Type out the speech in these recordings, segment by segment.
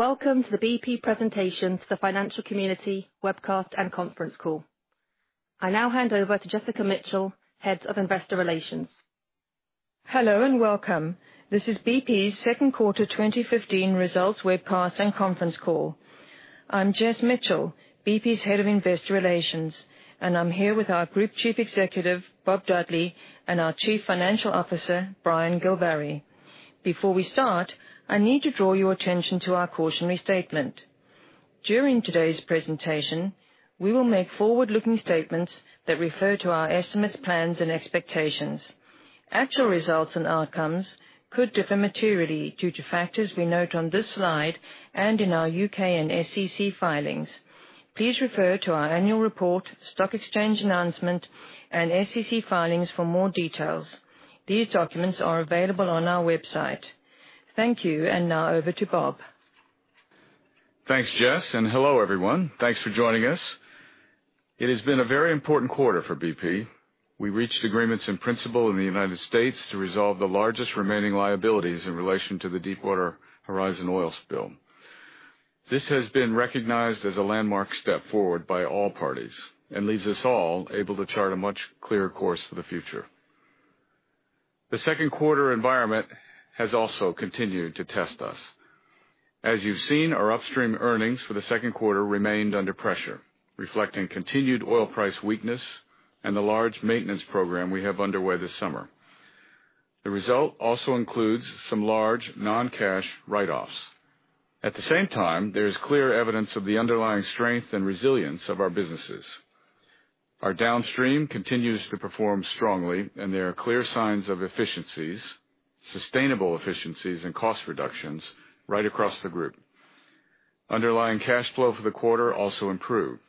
Welcome to the BP presentation to the financial community webcast and conference call. I now hand over to Jessica Mitchell, Head of Investor Relations. Hello and welcome. This is BP's second quarter 2015 results webcast and conference call. I'm Jess Mitchell, BP's Head of Investor Relations, and I'm here with our Group Chief Executive, Bob Dudley, and our Chief Financial Officer, Brian Gilvary. Before we start, I need to draw your attention to our cautionary statement. During today's presentation, we will make forward-looking statements that refer to our estimates, plans, and expectations. Actual results and outcomes could differ materially due to factors we note on this slide and in our U.K. and SEC filings. Please refer to our annual report, stock exchange announcement, and SEC filings for more details. These documents are available on our website. Thank you. Now over to Bob. Thanks, Jess. Hello, everyone. Thanks for joining us. It has been a very important quarter for BP. We reached agreements in principle in the U.S. to resolve the largest remaining liabilities in relation to the Deepwater Horizon oil spill. This has been recognized as a landmark step forward by all parties and leaves us all able to chart a much clearer course for the future. The second quarter environment has also continued to test us. As you've seen, our upstream earnings for the second quarter remained under pressure, reflecting continued oil price weakness and the large maintenance program we have underway this summer. The result also includes some large non-cash write-offs. At the same time, there is clear evidence of the underlying strength and resilience of our businesses. Our downstream continues to perform strongly. There are clear signs of efficiencies, sustainable efficiencies and cost reductions right across the group. Underlying cash flow for the quarter also improved.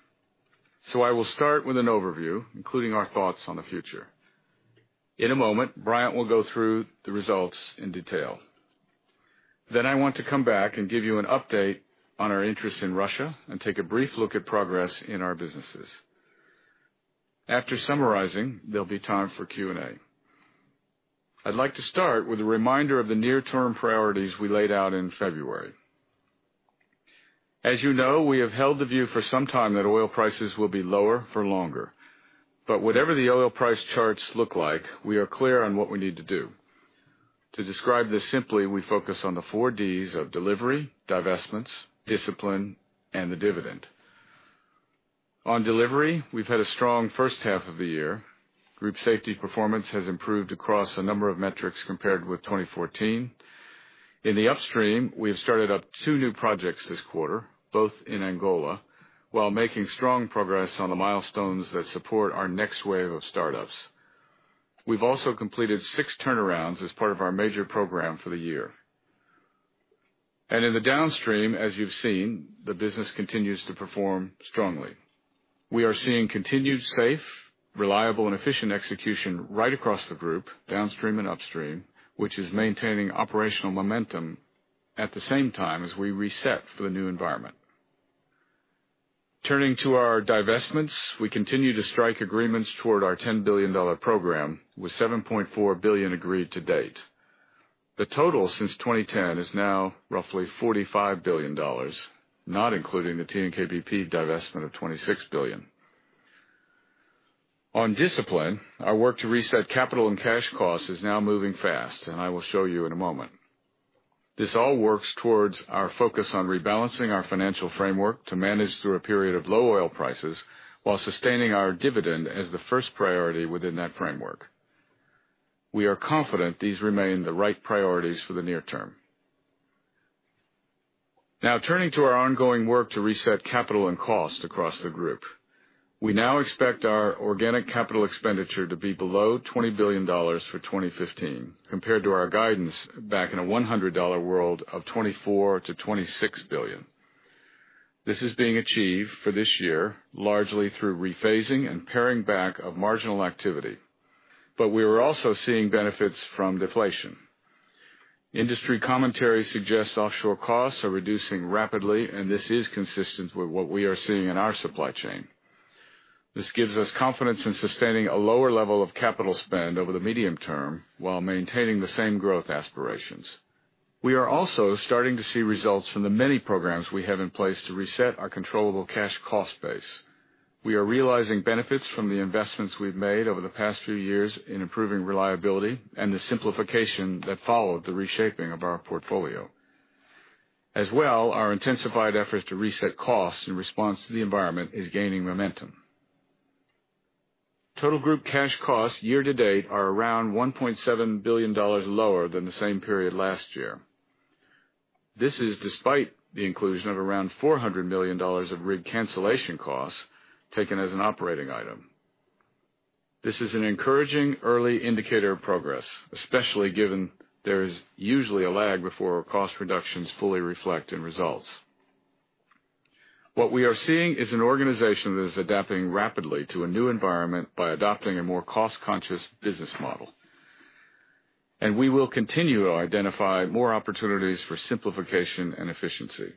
I will start with an overview, including our thoughts on the future. In a moment, Brian will go through the results in detail. I want to come back and give you an update on our interest in Russia and take a brief look at progress in our businesses. After summarizing, there'll be time for Q&A. I'd like to start with a reminder of the near-term priorities we laid out in February. As you know, we have held the view for some time that oil prices will be lower for longer. Whatever the oil price charts look like, we are clear on what we need to do. To describe this simply, we focus on the four Ds of delivery, divestments, discipline, and the dividend. On delivery, we've had a strong first half of the year. Group safety performance has improved across a number of metrics compared with 2014. In the upstream, we have started up two new projects this quarter, both in Angola, while making strong progress on the milestones that support our next wave of startups. We've also completed six turnarounds as part of our major program for the year. In the downstream, as you've seen, the business continues to perform strongly. We are seeing continued safe, reliable, and efficient execution right across the group, downstream and upstream, which is maintaining operational momentum at the same time as we reset for the new environment. Turning to our divestments, we continue to strike agreements toward our $10 billion program, with $7.4 billion agreed to date. The total since 2010 is now roughly $45 billion, not including the TNK-BP divestment of $26 billion. On discipline, our work to reset capital and cash costs is now moving fast, and I will show you in a moment. This all works towards our focus on rebalancing our financial framework to manage through a period of low oil prices while sustaining our dividend as the first priority within that framework. We are confident these remain the right priorities for the near term. Turning to our ongoing work to reset capital and cost across the group. We now expect our organic capital expenditure to be below $20 billion for 2015, compared to our guidance back in a $100 world of $24 billion-$26 billion. This is being achieved for this year largely through rephasing and paring back of marginal activity. We are also seeing benefits from deflation. Industry commentary suggests offshore costs are reducing rapidly, this is consistent with what we are seeing in our supply chain. This gives us confidence in sustaining a lower level of capital spend over the medium term while maintaining the same growth aspirations. We are also starting to see results from the many programs we have in place to reset our controllable cash cost base. We are realizing benefits from the investments we've made over the past few years in improving reliability and the simplification that followed the reshaping of our portfolio. As well, our intensified efforts to reset costs in response to the environment is gaining momentum. Total group cash costs year to date are around $1.7 billion lower than the same period last year. This is despite the inclusion of around $400 million of rig cancellation costs taken as an operating item. This is an encouraging early indicator of progress, especially given there is usually a lag before cost reductions fully reflect in results. What we are seeing is an organization that is adapting rapidly to a new environment by adopting a more cost-conscious business model, we will continue to identify more opportunities for simplification and efficiency.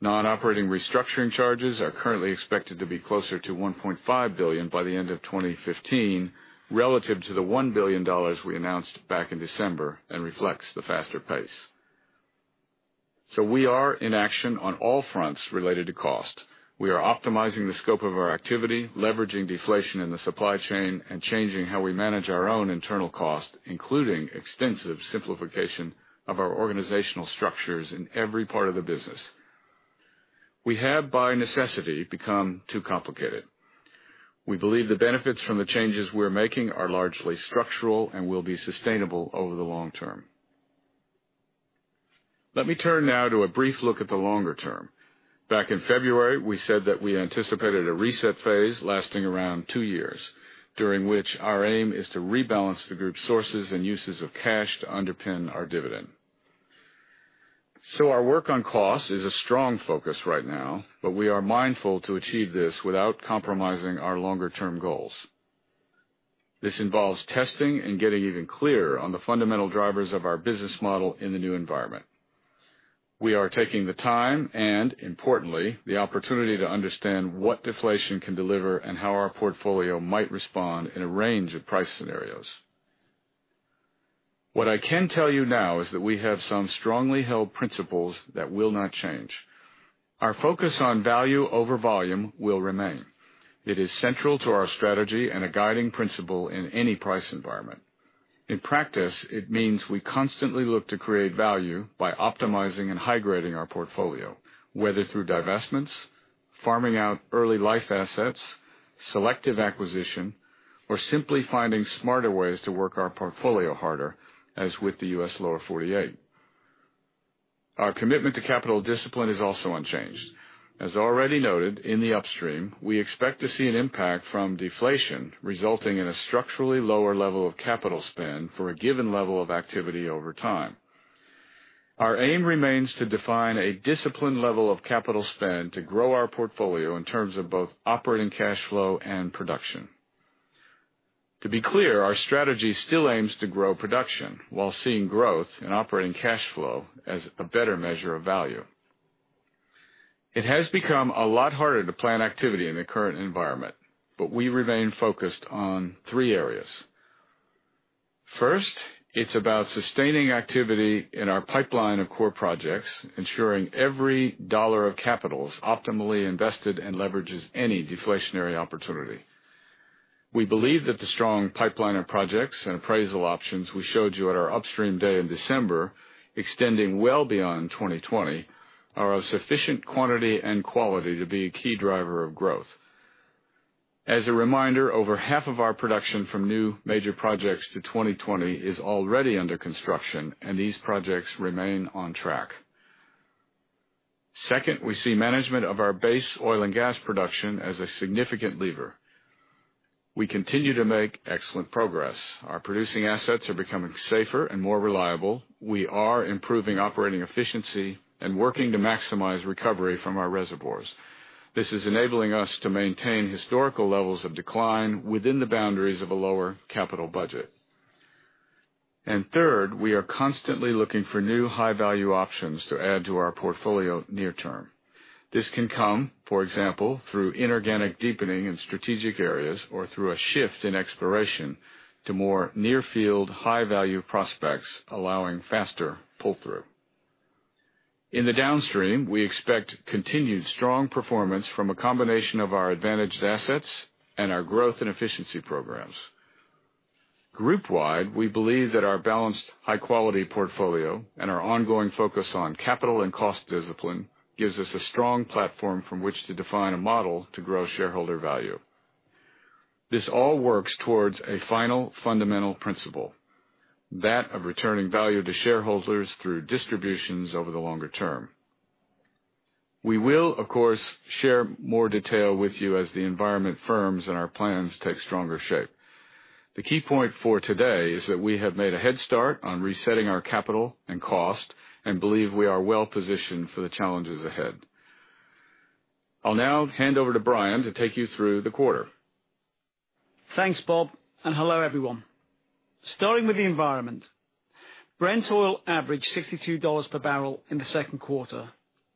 Non-operating restructuring charges are currently expected to be closer to $1.5 billion by the end of 2015, relative to the $1 billion we announced back in December and reflects the faster pace. We are in action on all fronts related to cost. We are optimizing the scope of our activity, leveraging deflation in the supply chain, changing how we manage our own internal cost, including extensive simplification of our organizational structures in every part of the business. We have, by necessity, become too complicated. We believe the benefits from the changes we're making are largely structural and will be sustainable over the long term. Let me turn now to a brief look at the longer term. Back in February, we said that we anticipated a reset phase lasting around two years, during which our aim is to rebalance the group sources and uses of cash to underpin our dividend. Our work on cost is a strong focus right now, but we are mindful to achieve this without compromising our longer-term goals. This involves testing and getting even clearer on the fundamental drivers of our business model in the new environment. We are taking the time and, importantly, the opportunity to understand what deflation can deliver and how our portfolio might respond in a range of price scenarios. What I can tell you now is that we have some strongly held principles that will not change. Our focus on value over volume will remain. It is central to our strategy and a guiding principle in any price environment. In practice, it means we constantly look to create value by optimizing and high-grading our portfolio, whether through divestments, farming out early life assets, selective acquisition, or simply finding smarter ways to work our portfolio harder, as with the U.S. Lower 48. Our commitment to capital discipline is also unchanged. As already noted in the upstream, we expect to see an impact from deflation resulting in a structurally lower level of capital spend for a given level of activity over time. Our aim remains to define a disciplined level of capital spend to grow our portfolio in terms of both operating cash flow and production. To be clear, our strategy still aims to grow production while seeing growth in operating cash flow as a better measure of value. It has become a lot harder to plan activity in the current environment, but we remain focused on three areas. First, it's about sustaining activity in our pipeline of core projects, ensuring every $1 of capital is optimally invested and leverages any deflationary opportunity. We believe that the strong pipeline of projects and appraisal options we showed you at our Upstream Day in December, extending well beyond 2020, are of sufficient quantity and quality to be a key driver of growth. As a reminder, over half of our production from new major projects to 2020 is already under construction, and these projects remain on track. Second, we see management of our base oil and gas production as a significant lever. We continue to make excellent progress. Our producing assets are becoming safer and more reliable. We are improving operating efficiency and working to maximize recovery from our reservoirs. This is enabling us to maintain historical levels of decline within the boundaries of a lower capital budget. Third, we are constantly looking for new high-value options to add to our portfolio near term. This can come, for example, through inorganic deepening in strategic areas or through a shift in exploration to more near field, high-value prospects, allowing faster pull-through. In the Downstream, we expect continued strong performance from a combination of our advantaged assets and our growth and efficiency programs. Group wide, we believe that our balanced, high-quality portfolio and our ongoing focus on capital and cost discipline gives us a strong platform from which to define a model to grow shareholder value. This all works towards a final fundamental principle, that of returning value to shareholders through distributions over the longer term. We will, of course, share more detail with you as the environment firms and our plans take stronger shape. The key point for today is that we have made a head start on resetting our capital and cost and believe we are well positioned for the challenges ahead. I'll now hand over to Brian to take you through the quarter. Thanks, Bob, and hello, everyone. Starting with the environment. Brent oil averaged $62 per barrel in the second quarter,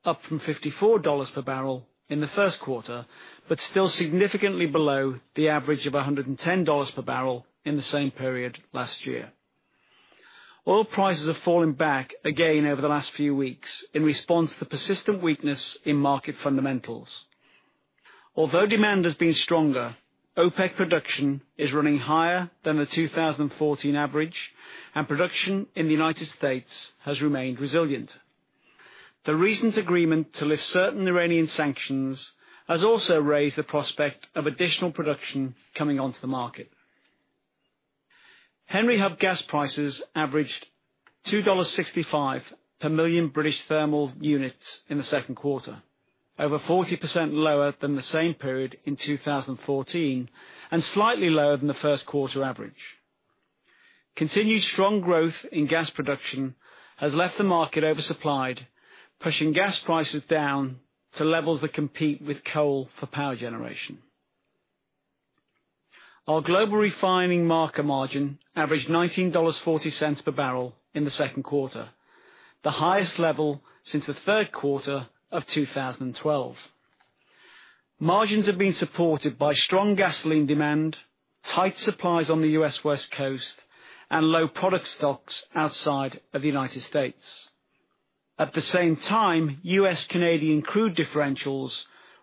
up from $54 per barrel in the first quarter, but still significantly below the average of $110 per barrel in the same period last year. Oil prices have fallen back again over the last few weeks in response to persistent weakness in market fundamentals. Although demand has been stronger, OPEC production is running higher than the 2014 average, and production in the United States has remained resilient. The recent agreement to lift certain Iranian sanctions has also raised the prospect of additional production coming onto the market. Henry Hub gas prices averaged $2.65 per million British thermal units in the second quarter, over 40% lower than the same period in 2014 and slightly lower than the first quarter average. Continued strong growth in gas production has left the market oversupplied, pushing gas prices down to levels that compete with coal for power generation. Our global refining marker margin averaged $19.40 per barrel in the second quarter, the highest level since the third quarter of 2012. Margins have been supported by strong gasoline demand, tight supplies on the U.S. West Coast, and low product stocks outside of the United States. At the same time, U.S. Canadian crude differentials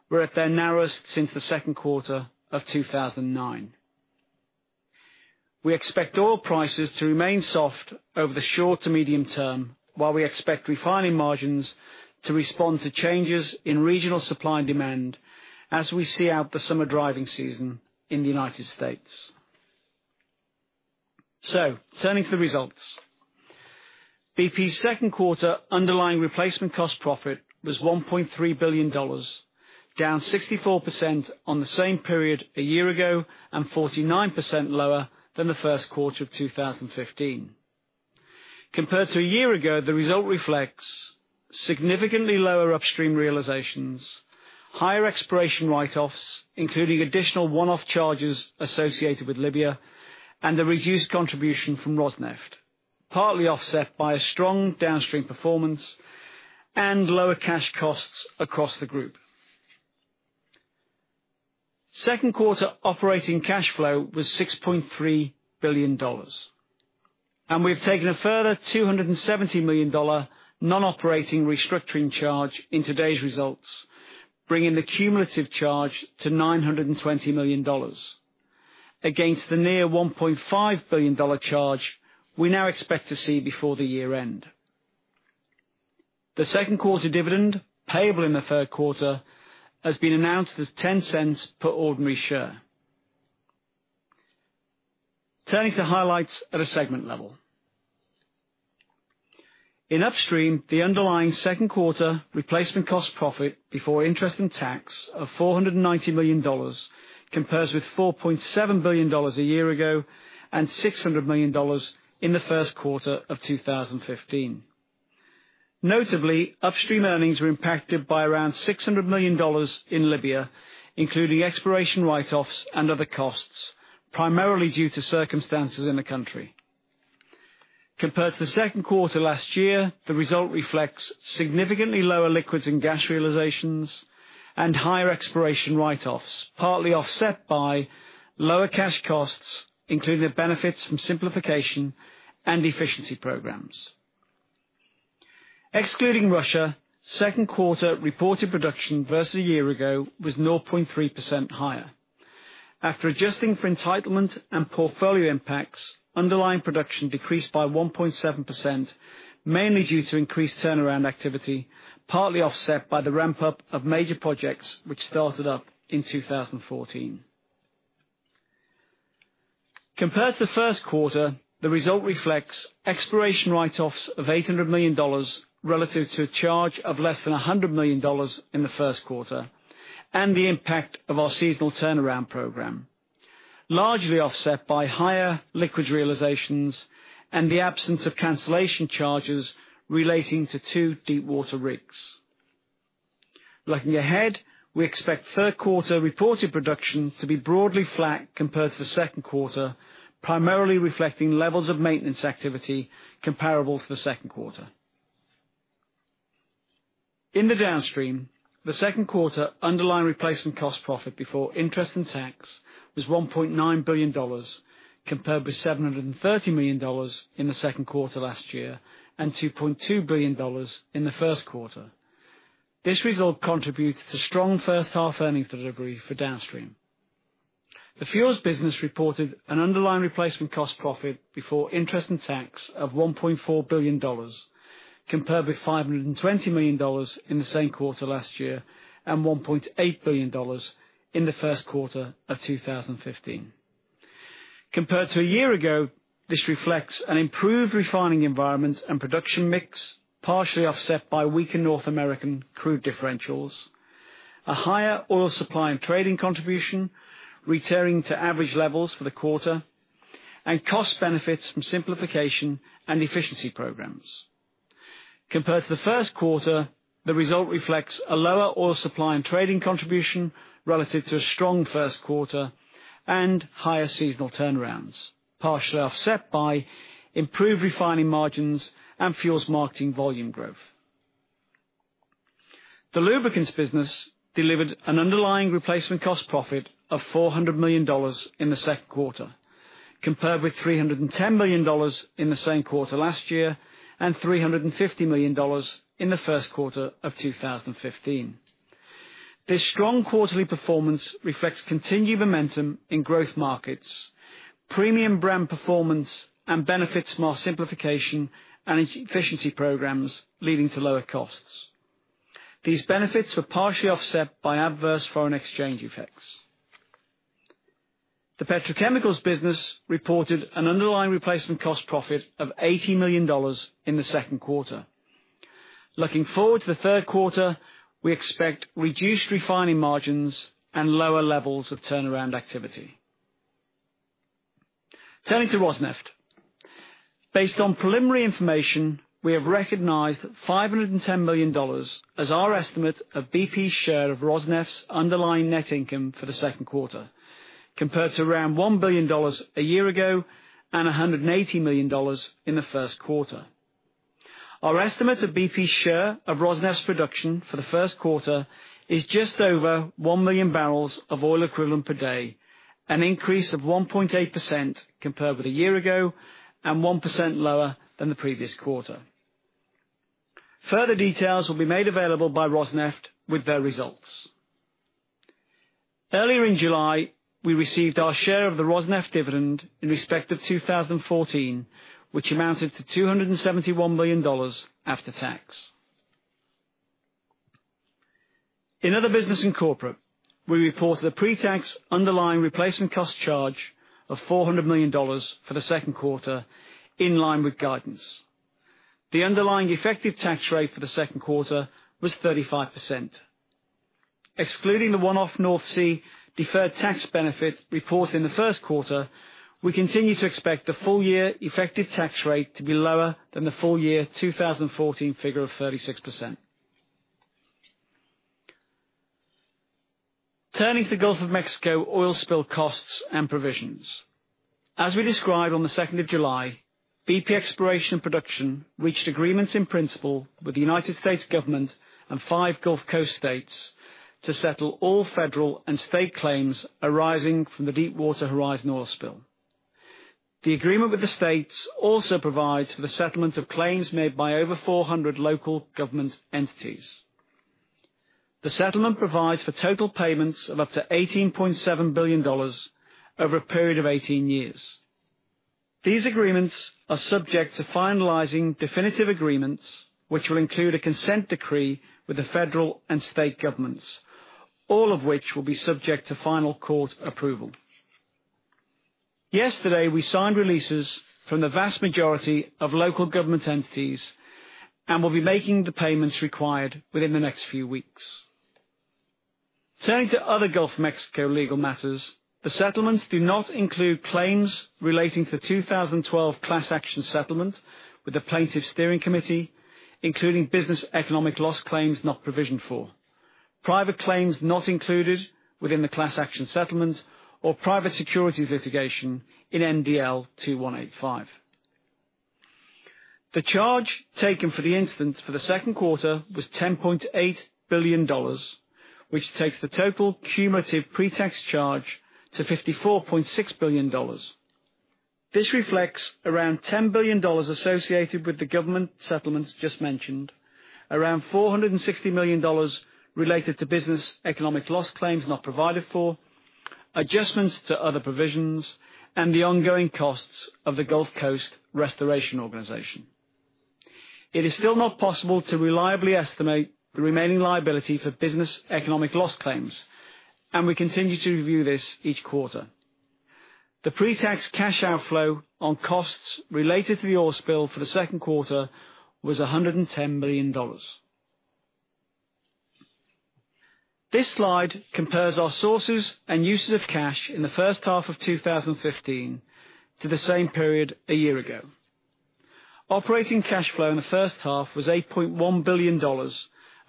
were at their narrowest since the second quarter of 2009. We expect oil prices to remain soft over the short to medium term, while we expect refining margins to respond to changes in regional supply and demand as we see out the summer driving season in the United States. Turning to the results. BP's second quarter underlying replacement cost profit was $1.3 billion, down 64% on the same period a year ago and 49% lower than the first quarter of 2015. Compared to a year ago, the result reflects significantly lower upstream realizations, higher exploration write-offs, including additional one-off charges associated with Libya, and a reduced contribution from Rosneft, partly offset by a strong downstream performance and lower cash costs across the group. Second quarter operating cash flow was $6.3 billion. We have taken a further $270 million non-operating restructuring charge in today's results, bringing the cumulative charge to $920 million against the near $1.5 billion charge we now expect to see before the year end. The second quarter dividend payable in the third quarter has been announced as $0.10 per ordinary share. Turning to highlights at a segment level. In upstream, the underlying second quarter replacement cost profit before interest and tax of $490 million compares with $4.7 billion a year ago and $600 million in the first quarter of 2015. Notably, upstream earnings were impacted by around $600 million in Libya, including exploration write-offs and other costs, primarily due to circumstances in the country. Compared to the second quarter last year, the result reflects significantly lower liquids and gas realizations and higher exploration write-offs, partly offset by lower cash costs, including the benefits from simplification and efficiency programs. Excluding Rosneft, second quarter reported production versus a year ago was 0.3% higher. After adjusting for entitlement and portfolio impacts, underlying production decreased by 1.7%, mainly due to increased turnaround activity, partly offset by the ramp-up of major projects which started up in 2014. Compared to the first quarter, the result reflects exploration write-offs of $800 million relative to a charge of less than $100 million in the first quarter and the impact of our seasonal turnaround program, largely offset by higher liquid realizations and the absence of cancellation charges relating to two deepwater rigs. Looking ahead, we expect third quarter reported production to be broadly flat compared to the second quarter, primarily reflecting levels of maintenance activity comparable to the second quarter. In the downstream, the second quarter underlying replacement cost profit before interest and tax was $1.9 billion, compared with $730 million in the second quarter last year and $2.2 billion in the first quarter. This result contributes to strong first half earnings delivery for downstream. The fuels business reported an underlying replacement cost profit before interest and tax of $1.4 billion, compared with $520 million in the same quarter last year and $1.8 billion in the first quarter of 2015. Compared to a year ago, this reflects an improved refining environment and production mix, partially offset by weaker North American crude differentials, a higher oil supply and trading contribution, returning to average levels for the quarter, and cost benefits from simplification and efficiency programs. Compared to the first quarter, the result reflects a lower oil supply and trading contribution relative to a strong first quarter and higher seasonal turnarounds, partially offset by improved refining margins and fuels marketing volume growth. The lubricants business delivered an underlying replacement cost profit of $400 million in the second quarter, compared with $310 million in the same quarter last year and $350 million in the first quarter of 2015. This strong quarterly performance reflects continued momentum in growth markets, premium brand performance, and benefits from our simplification and efficiency programs, leading to lower costs. These benefits were partially offset by adverse foreign exchange effects. The petrochemicals business reported an underlying replacement cost profit of $80 million in the second quarter. Looking forward to the third quarter, we expect reduced refining margins and lower levels of turnaround activity. Turning to Rosneft. Based on preliminary information, we have recognized $510 million as our estimate of BP's share of Rosneft's underlying net income for the second quarter, compared to around $1 billion a year ago and $180 million in the first quarter. Our estimate of BP's share of Rosneft's production for the first quarter is just over one million barrels of oil equivalent per day, an increase of 1.8% compared with a year ago, and 1% lower than the previous quarter. Further details will be made available by Rosneft with their results. Earlier in July, we received our share of the Rosneft dividend in respect of 2014, which amounted to $271 million after tax. In other business and corporate, we reported a pre-tax underlying replacement cost charge of $400 million for the second quarter, in line with guidance. The underlying effective tax rate for the second quarter was 35%. Excluding the one-off North Sea deferred tax benefit reported in the first quarter, we continue to expect the full year effective tax rate to be lower than the full year 2014 figure of 36%. Turning to the Gulf of Mexico oil spill costs and provisions. As we described on the 2nd of July, BP Exploration Production reached agreements in principle with the United States government and five Gulf Coast states to settle all federal and state claims arising from the Deepwater Horizon oil spill. The agreement with the states also provides for the settlement of claims made by over 400 local government entities. The settlement provides for total payments of up to $18.7 billion over a period of 18 years. These agreements are subject to finalizing definitive agreements, which will include a consent decree with the federal and state governments, all of which will be subject to final court approval. Yesterday, we signed releases from the vast majority of local government entities and will be making the payments required within the next few weeks. Turning to other Gulf of Mexico legal matters, the settlements do not include claims relating to the 2012 class action settlement with the plaintiffs' steering committee, including business economic loss claims not provisioned for, private claims not included within the class action settlement, or private securities litigation in MDL 2185. The charge taken for the instance for the second quarter was $10.8 billion, which takes the total cumulative pre-tax charge to $54.6 billion. This reflects around $10 billion associated with the government settlement just mentioned, around $460 million related to business economic loss claims not provided for, adjustments to other provisions, and the ongoing costs of the Gulf Coast Restoration Organization. It is still not possible to reliably estimate the remaining liability for business economic loss claims, and we continue to review this each quarter. The pre-tax cash outflow on costs related to the oil spill for the second quarter was $110 million. This slide compares our sources and uses of cash in the first half of 2015 to the same period a year ago. Operating cash flow in the first half was $8.1 billion,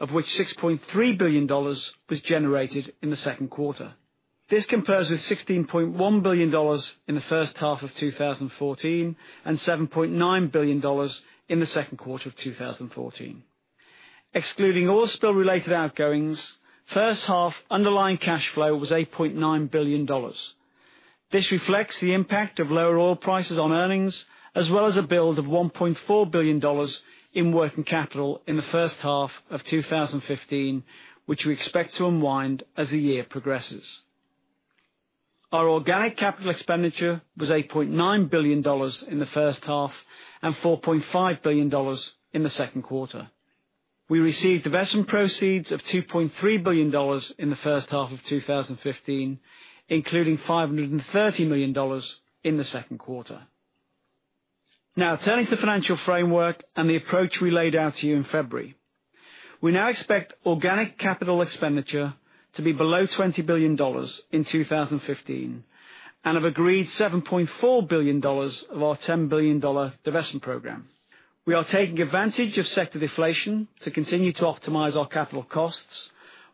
of which $6.3 billion was generated in the second quarter. This compares with $16.1 billion in the first half of 2014 and $7.9 billion in the second quarter of 2014. Excluding oil spill related outgoings, first-half underlying cash flow was $8.9 billion. This reflects the impact of lower oil prices on earnings, as well as a build of $1.4 billion in working capital in the first half of 2015, which we expect to unwind as the year progresses. Our organic capital expenditure was $8.9 billion in the first half and $4.5 billion in the second quarter. We received divestment proceeds of $2.3 billion in the first half of 2015, including $530 million in the second quarter. Turning to the financial framework and the approach we laid out to you in February. We now expect organic capital expenditure to be below $20 billion in 2015 and have agreed $7.4 billion of our $10 billion divestment program. We are taking advantage of sector deflation to continue to optimize our capital costs,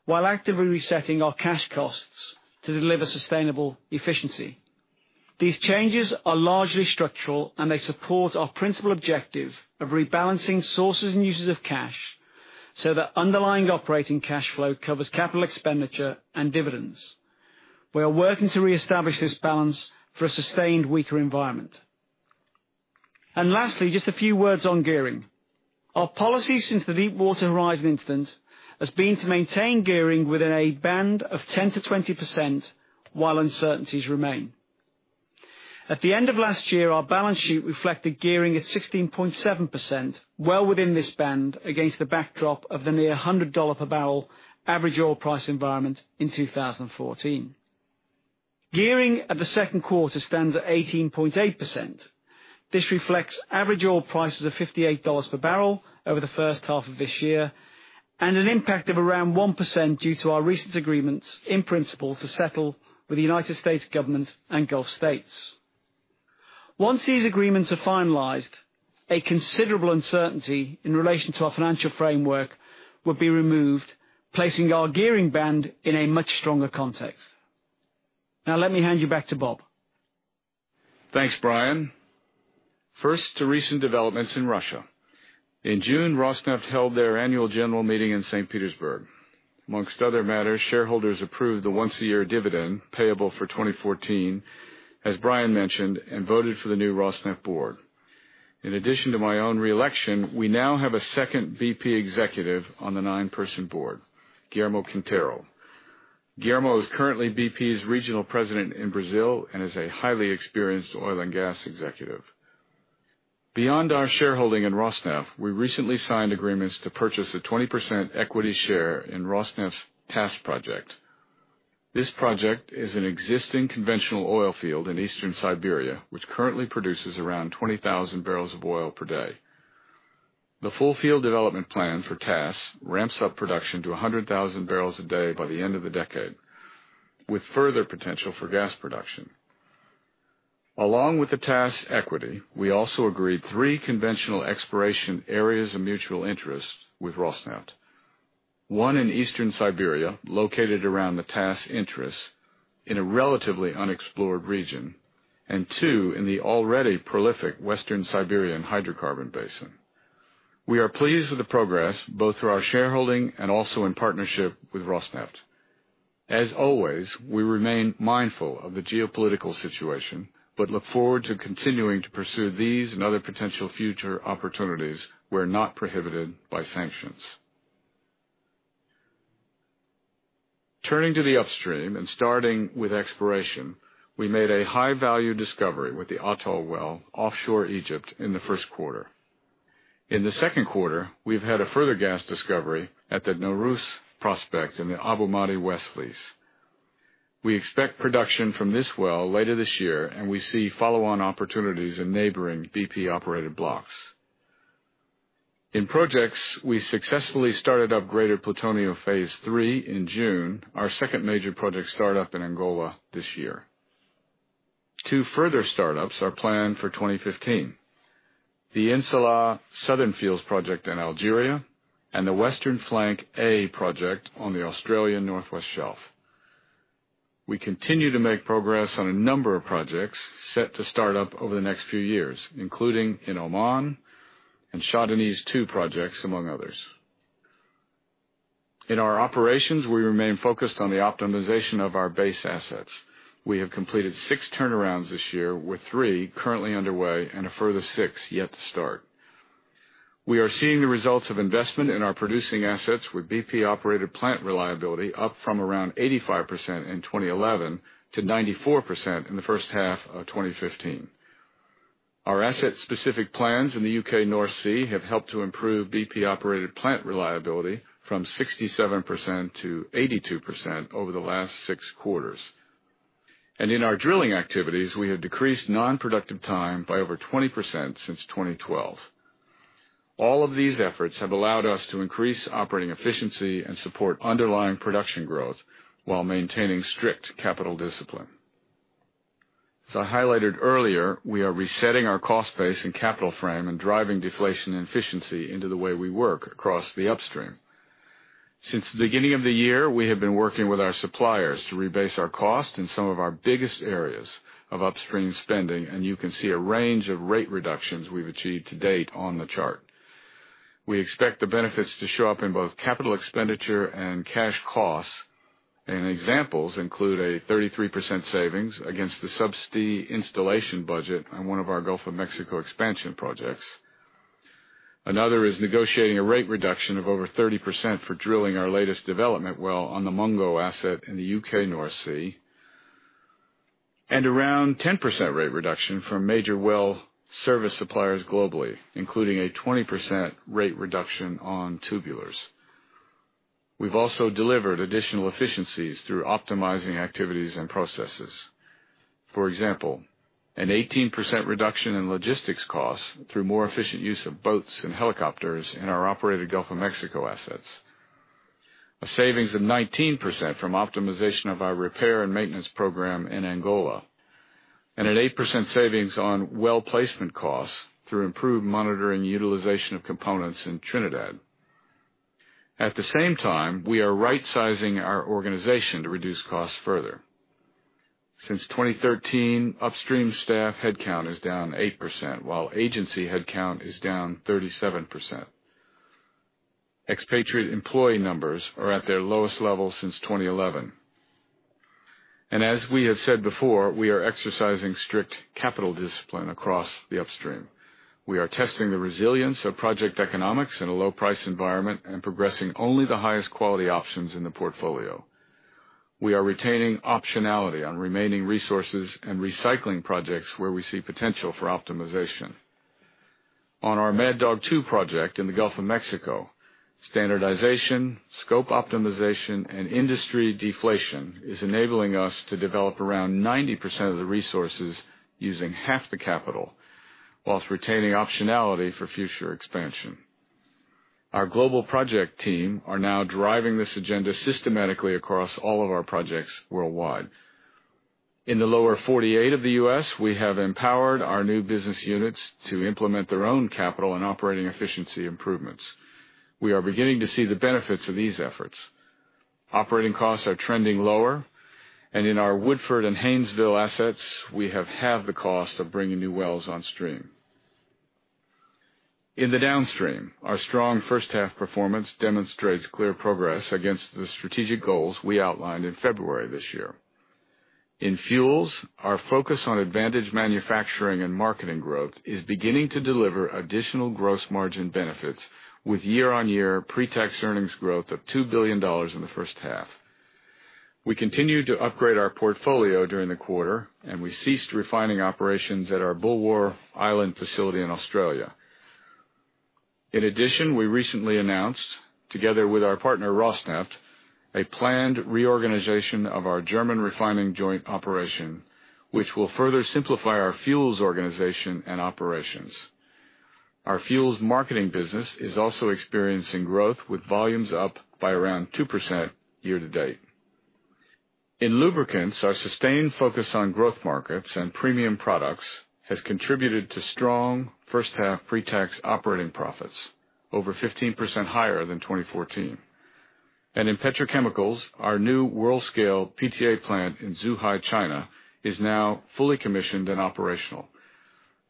while actively resetting our cash costs to deliver sustainable efficiency. These changes are largely structural, and they support our principal objective of rebalancing sources and uses of cash so that underlying operating cash flow covers capital expenditure and dividends. We are working to reestablish this balance for a sustained weaker environment. Lastly, just a few words on gearing. Our policy since the Deepwater Horizon incident has been to maintain gearing within a band of 10%-20% while uncertainties remain. At the end of last year, our balance sheet reflected gearing at 16.7%, well within this band against the backdrop of the near $100 per barrel average oil price environment in 2014. Gearing at the second quarter stands at 18.8%. This reflects average oil prices of $58 per barrel over the first half of this year and an impact of around 1% due to our recent agreements in principle to settle with the United States government and Gulf states. Once these agreements are finalized, a considerable uncertainty in relation to our financial framework will be removed, placing our gearing band in a much stronger context. Let me hand you back to Bob. Thanks, Brian. First, to recent developments in Russia. In June, Rosneft held their annual general meeting in St. Petersburg. Amongst other matters, shareholders approved the once-a-year dividend payable for 2014, as Brian mentioned, and voted for the new Rosneft board. In addition to my own re-election, we now have a second BP executive on the nine-person board, Guillermo Quintero. Guillermo is currently BP's regional president in Brazil and is a highly experienced oil and gas executive. Beyond our shareholding in Rosneft, we recently signed agreements to purchase a 20% equity share in Rosneft's Taas project. This project is an existing conventional oil field in Eastern Siberia, which currently produces around 20,000 barrels of oil per day. The full field development plan for Taas ramps up production to 100,000 barrels a day by the end of the decade, with further potential for gas production. Along with the Taas equity, we also agreed three conventional exploration areas of mutual interest with Rosneft. One in Eastern Siberia, located around the Taas interests in a relatively unexplored region, and two in the already prolific Western Siberian hydrocarbon basin. We are pleased with the progress, both through our shareholding and also in partnership with Rosneft. As always, we remain mindful of the geopolitical situation, look forward to continuing to pursue these and other potential future opportunities where not prohibited by sanctions. Turning to the upstream and starting with exploration, we made a high-value discovery with the Atoll well offshore Egypt in the first quarter. In the second quarter, we've had a further gas discovery at the Nooros prospect in the Abu Madi West lease. We expect production from this well later this year, and we see follow-on opportunities in neighboring BP-operated blocks. In projects, we successfully started up Greater Plutonio Phase 3 in June, our second major project startup in Angola this year. Two further startups are planned for 2015. The In Salah Southern Fields project in Algeria and the Western Flank A project on the Australian Northwest Shelf. We continue to make progress on a number of projects set to start up over the next few years, including in Oman and Shah Deniz II projects, among others. In our operations, we remain focused on the optimization of our base assets. We have completed six turnarounds this year, with three currently underway and a further six yet to start. We are seeing the results of investment in our producing assets with BP-operated plant reliability up from around 85% in 2011 to 94% in the first half of 2015. Our asset-specific plans in the U.K. North Sea have helped to improve BP-operated plant reliability from 67% to 82% over the last six quarters. In our drilling activities, we have decreased non-productive time by over 20% since 2012. All of these efforts have allowed us to increase operating efficiency and support underlying production growth while maintaining strict capital discipline. As I highlighted earlier, we are resetting our cost base and capital frame and driving deflation and efficiency into the way we work across the upstream. Since the beginning of the year, we have been working with our suppliers to rebase our cost in some of our biggest areas of upstream spending, and you can see a range of rate reductions we've achieved to date on the chart. We expect the benefits to show up in both capital expenditure and cash costs. Examples include a 33% savings against the subsea installation budget on one of our Gulf of Mexico expansion projects. Another is negotiating a rate reduction of over 30% for drilling our latest development well on the Mungo asset in the U.K. North Sea, and around 10% rate reduction for major well service suppliers globally, including a 20% rate reduction on tubulars. We've also delivered additional efficiencies through optimizing activities and processes. For example, an 18% reduction in logistics costs through more efficient use of boats and helicopters in our operated Gulf of Mexico assets, a savings of 19% from optimization of our repair and maintenance program in Angola, and an 8% savings on well placement costs through improved monitoring utilization of components in Trinidad. At the same time, we are rightsizing our organization to reduce costs further. Since 2013, upstream staff headcount is down 8%, while agency headcount is down 37%. Expatriate employee numbers are at their lowest level since 2011. As we have said before, we are exercising strict capital discipline across the upstream. We are testing the resilience of project economics in a low price environment and progressing only the highest quality options in the portfolio. We are retaining optionality on remaining resources and recycling projects where we see potential for optimization. On our Mad Dog 2 project in the Gulf of Mexico, standardization, scope optimization, and industry deflation is enabling us to develop around 90% of the resources using half the capital whilst retaining optionality for future expansion. Our global project team are now driving this agenda systematically across all of our projects worldwide. In the lower 48 of the U.S., we have empowered our new business units to implement their own capital and operating efficiency improvements. We are beginning to see the benefits of these efforts. Operating costs are trending lower, and in our Woodford and Haynesville assets, we have halved the cost of bringing new wells on stream. In the Downstream, our strong first half performance demonstrates clear progress against the strategic goals we outlined in February this year. In fuels, our focus on advantage manufacturing and marketing growth is beginning to deliver additional gross margin benefits with year-on-year pre-tax earnings growth of $2 billion in the first half. We continued to upgrade our portfolio during the quarter, and we ceased refining operations at our Bulwer Island facility in Australia. In addition, we recently announced, together with our partner Rosneft, a planned reorganization of our German refining joint operation, which will further simplify our fuels organization and operations. Our fuels marketing business is also experiencing growth with volumes up by around 2% year-to-date. In lubricants, our sustained focus on growth markets and premium products has contributed to strong first half pre-tax operating profits, over 15% higher than 2014. In petrochemicals, our new world-scale PTA plant in Zhuhai, China is now fully commissioned and operational.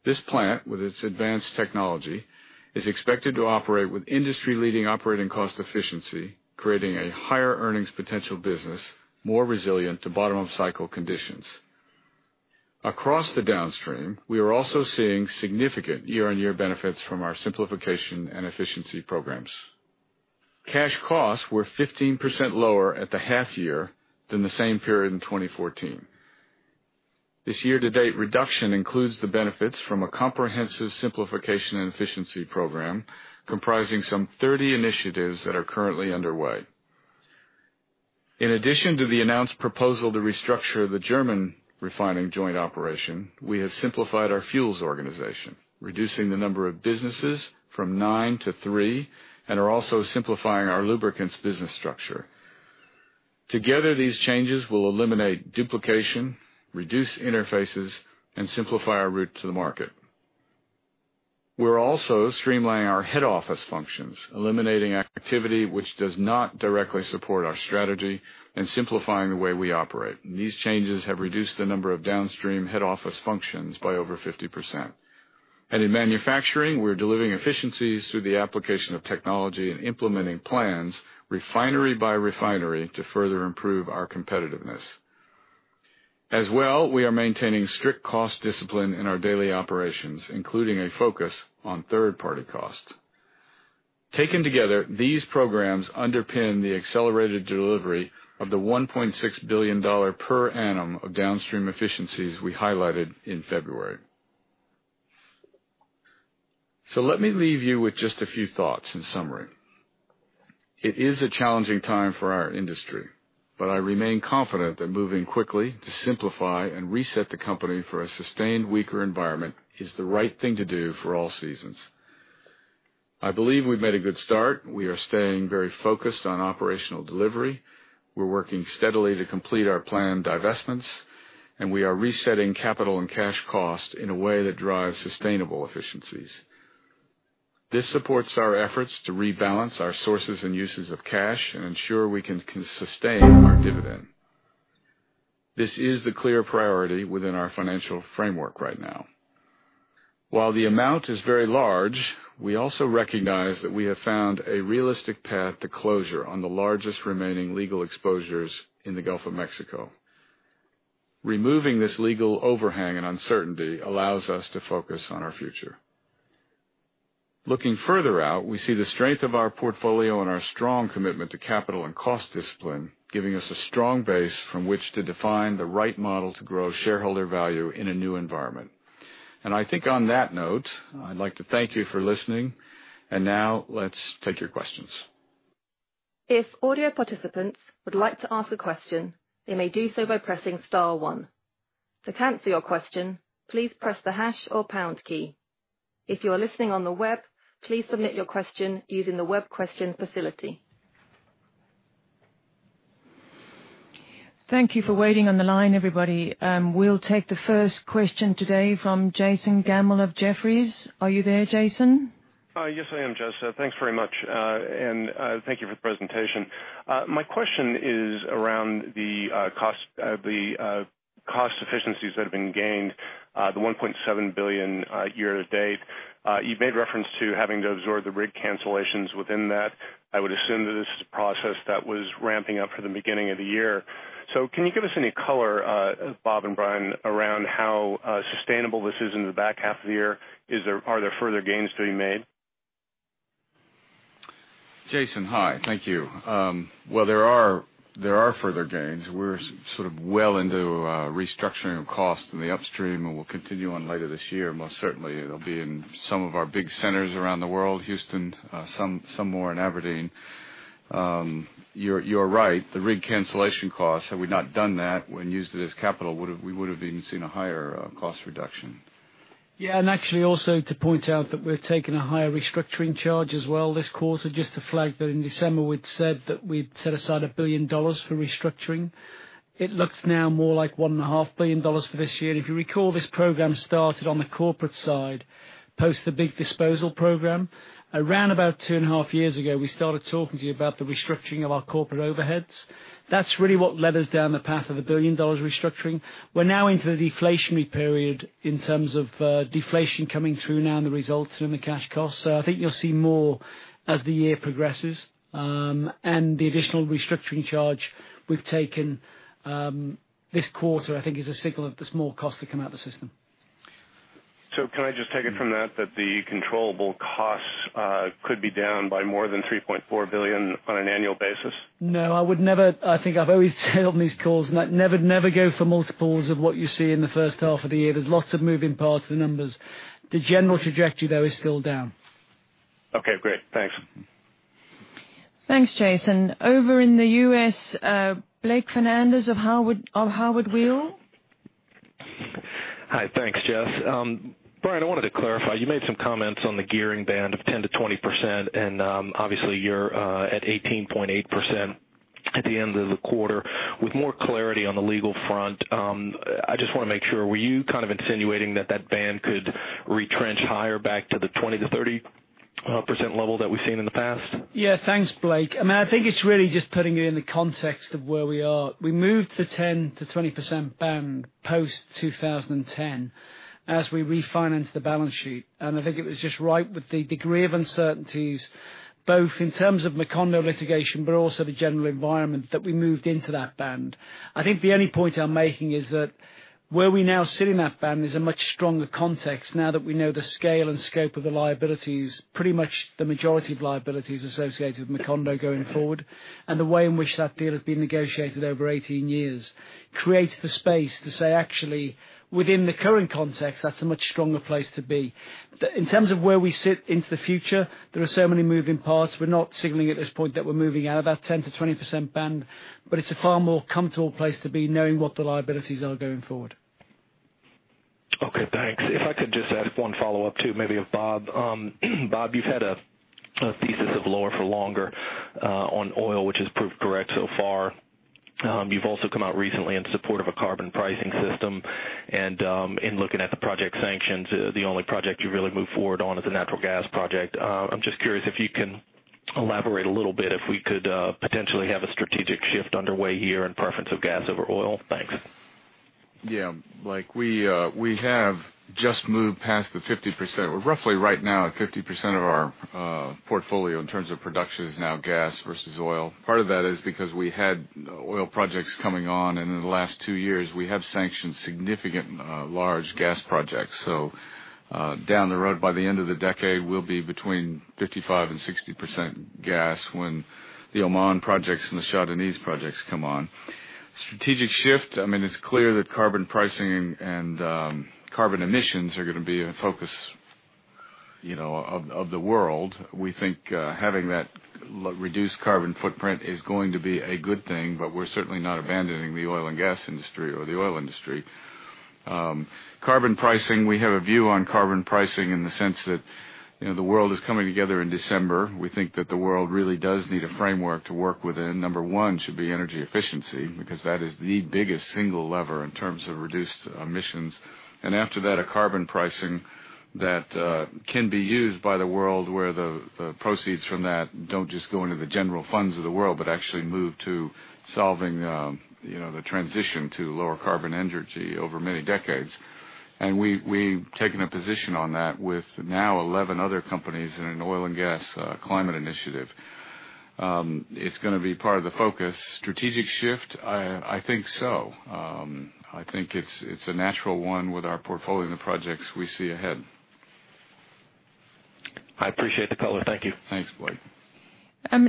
This plant, with its advanced technology, is expected to operate with industry-leading operating cost efficiency, creating a higher earnings potential business, more resilient to bottom-of-cycle conditions. Across the Downstream, we are also seeing significant year-on-year benefits from our simplification and efficiency programs. Cash costs were 15% lower at the half year than the same period in 2014. This year-to-date reduction includes the benefits from a comprehensive simplification and efficiency program comprising some 30 initiatives that are currently underway. In addition to the announced proposal to restructure the German refining joint operation, we have simplified our fuels organization, reducing the number of businesses from nine to three, and are also simplifying our lubricants business structure. Together, these changes will eliminate duplication, reduce interfaces, and simplify our route to the market. We're also streamlining our head office functions, eliminating activity which does not directly support our strategy, and simplifying the way we operate. These changes have reduced the number of Downstream head office functions by over 50%. In manufacturing, we're delivering efficiencies through the application of technology and implementing plans refinery by refinery to further improve our competitiveness. As well, we are maintaining strict cost discipline in our daily operations, including a focus on third-party costs. Taken together, these programs underpin the accelerated delivery of the $1.6 billion per annum of Downstream efficiencies we highlighted in February. Let me leave you with just a few thoughts in summary. It is a challenging time for our industry, but I remain confident that moving quickly to simplify and reset the company for a sustained weaker environment is the right thing to do for All Seasons. I believe we've made a good start. We are staying very focused on operational delivery. We're working steadily to complete our planned divestments, and we are resetting capital and cash costs in a way that drives sustainable efficiencies. This supports our efforts to rebalance our sources and uses of cash and ensure we can sustain our dividend. This is the clear priority within our financial framework right now. While the amount is very large, we also recognize that we have found a realistic path to closure on the largest remaining legal exposures in the Gulf of Mexico. Removing this legal overhang and uncertainty allows us to focus on our future. Looking further out, we see the strength of our portfolio and our strong commitment to capital and cost discipline, giving us a strong base from which to define the right model to grow shareholder value in a new environment. I think on that note, I'd like to thank you for listening, and now let's take your questions. If audio participants would like to ask a question, they may do so by pressing star one. To cancel your question, please press the hash or pound key. If you are listening on the web, please submit your question using the web question facility. Thank you for waiting on the line, everybody. We'll take the first question today from Jason Gammel of Jefferies. Are you there, Jason? Yes, I am, Jess. Thanks very much. Thank you for the presentation. My question is around the cost efficiencies that have been gained, the $1.7 billion year to date. You've made reference to having to absorb the rig cancellations within that. I would assume that this is a process that was ramping up for the beginning of the year. Can you give us any color, Bob and Brian, around how sustainable this is in the back half of the year? Are there further gains to be made? Jason, hi. Thank you. Well, there are further gains. We're sort of well into restructuring of costs in the Upstream, and we'll continue on later this year. Most certainly, it'll be in some of our big centers around the world, Houston, some more in Aberdeen. You're right, the rig cancellation costs, had we not done that and used it as capital, we would've even seen a higher cost reduction. Yeah, actually also to point out that we've taken a higher restructuring charge as well this quarter, just to flag that in December, we'd said that we'd set aside $1 billion for restructuring. It looks now more like $1.5 billion for this year. If you recall, this program started on the corporate side, post the big disposal program. Around about 2.5 years ago, we started talking to you about the restructuring of our corporate overheads. That's really what led us down the path of a $1 billion restructuring. We're now into the deflationary period in terms of deflation coming through now in the results and the cash costs. I think you'll see more as the year progresses. The additional restructuring charge we've taken this quarter, I think is a signal of the small costs that come out the system. Can I just take it from that the controllable costs could be down by more than $3.4 billion on an annual basis? No, I think I've always said on these calls, never go for multiples of what you see in the first half of the year. There's lots of moving parts to the numbers. The general trajectory, though, is still down. Okay, great. Thanks. Thanks, Jason. Over in the U.S., Blake Fernandez of Howard Weil. Hi. Thanks, Jess. Brian, I wanted to clarify, you made some comments on the gearing band of 10%-20%, and obviously you're at 18.8% at the end of the quarter. With more clarity on the legal front, I just want to make sure, were you kind of insinuating that band could retrench higher back to the 20%-30% level that we've seen in the past? Yeah. Thanks, Blake. I think it's really just putting it in the context of where we are. We moved the 10%-20% band post-2010 as we refinanced the balance sheet. I think it was just right with the degree of uncertainties, both in terms of Macondo litigation, but also the general environment, that we moved into that band. I think the only point I'm making is that where we now sit in that band is a much stronger context, now that we know the scale and scope of the liabilities, pretty much the majority of liabilities associated with Macondo going forward. The way in which that deal has been negotiated over 18 years, creates the space to say, actually, within the current context, that's a much stronger place to be. In terms of where we sit into the future, there are so many moving parts. We're not signaling at this point that we're moving out of that 10%-20% band, but it's a far more comfortable place to be knowing what the liabilities are going forward. Okay, thanks. If I could just ask one follow-up too, maybe of Bob. Bob, you've had a thesis of lower for longer on oil, which has proved correct so far. You've also come out recently in support of a carbon pricing system and in looking at the project sanctions, the only project you've really moved forward on is a natural gas project. I'm just curious if you can elaborate a little bit, if we could potentially have a strategic shift underway here in preference of gas over oil. Thanks. Yeah. Blake, we have just moved past the 50%. We're roughly right now at 50% of our portfolio in terms of production is now gas versus oil. Part of that is because we had oil projects coming on and in the last two years, we have sanctioned significant large gas projects. Down the road, by the end of the decade, we'll be between 55% and 60% gas when the Oman projects and the Shah Deniz projects come on. Strategic shift, it's clear that carbon pricing and carbon emissions are going to be a focus of the world. We think having that reduced carbon footprint is going to be a good thing, we're certainly not abandoning the oil and gas industry or the oil industry. Carbon pricing, we have a view on carbon pricing in the sense that the world is coming together in December. We think that the world really does need a framework to work within. Number one should be energy efficiency, because that is the biggest single lever in terms of reduced emissions. After that, a carbon pricing that can be used by the world where the proceeds from that don't just go into the general funds of the world, actually move to solving the transition to lower carbon energy over many decades. We've taken a position on that with now 11 other companies in an Oil and Gas Climate Initiative. It's going to be part of the focus. Strategic shift? I think so. I think it's a natural one with our portfolio and the projects we see ahead. I appreciate the color. Thank you. Thanks, Blake.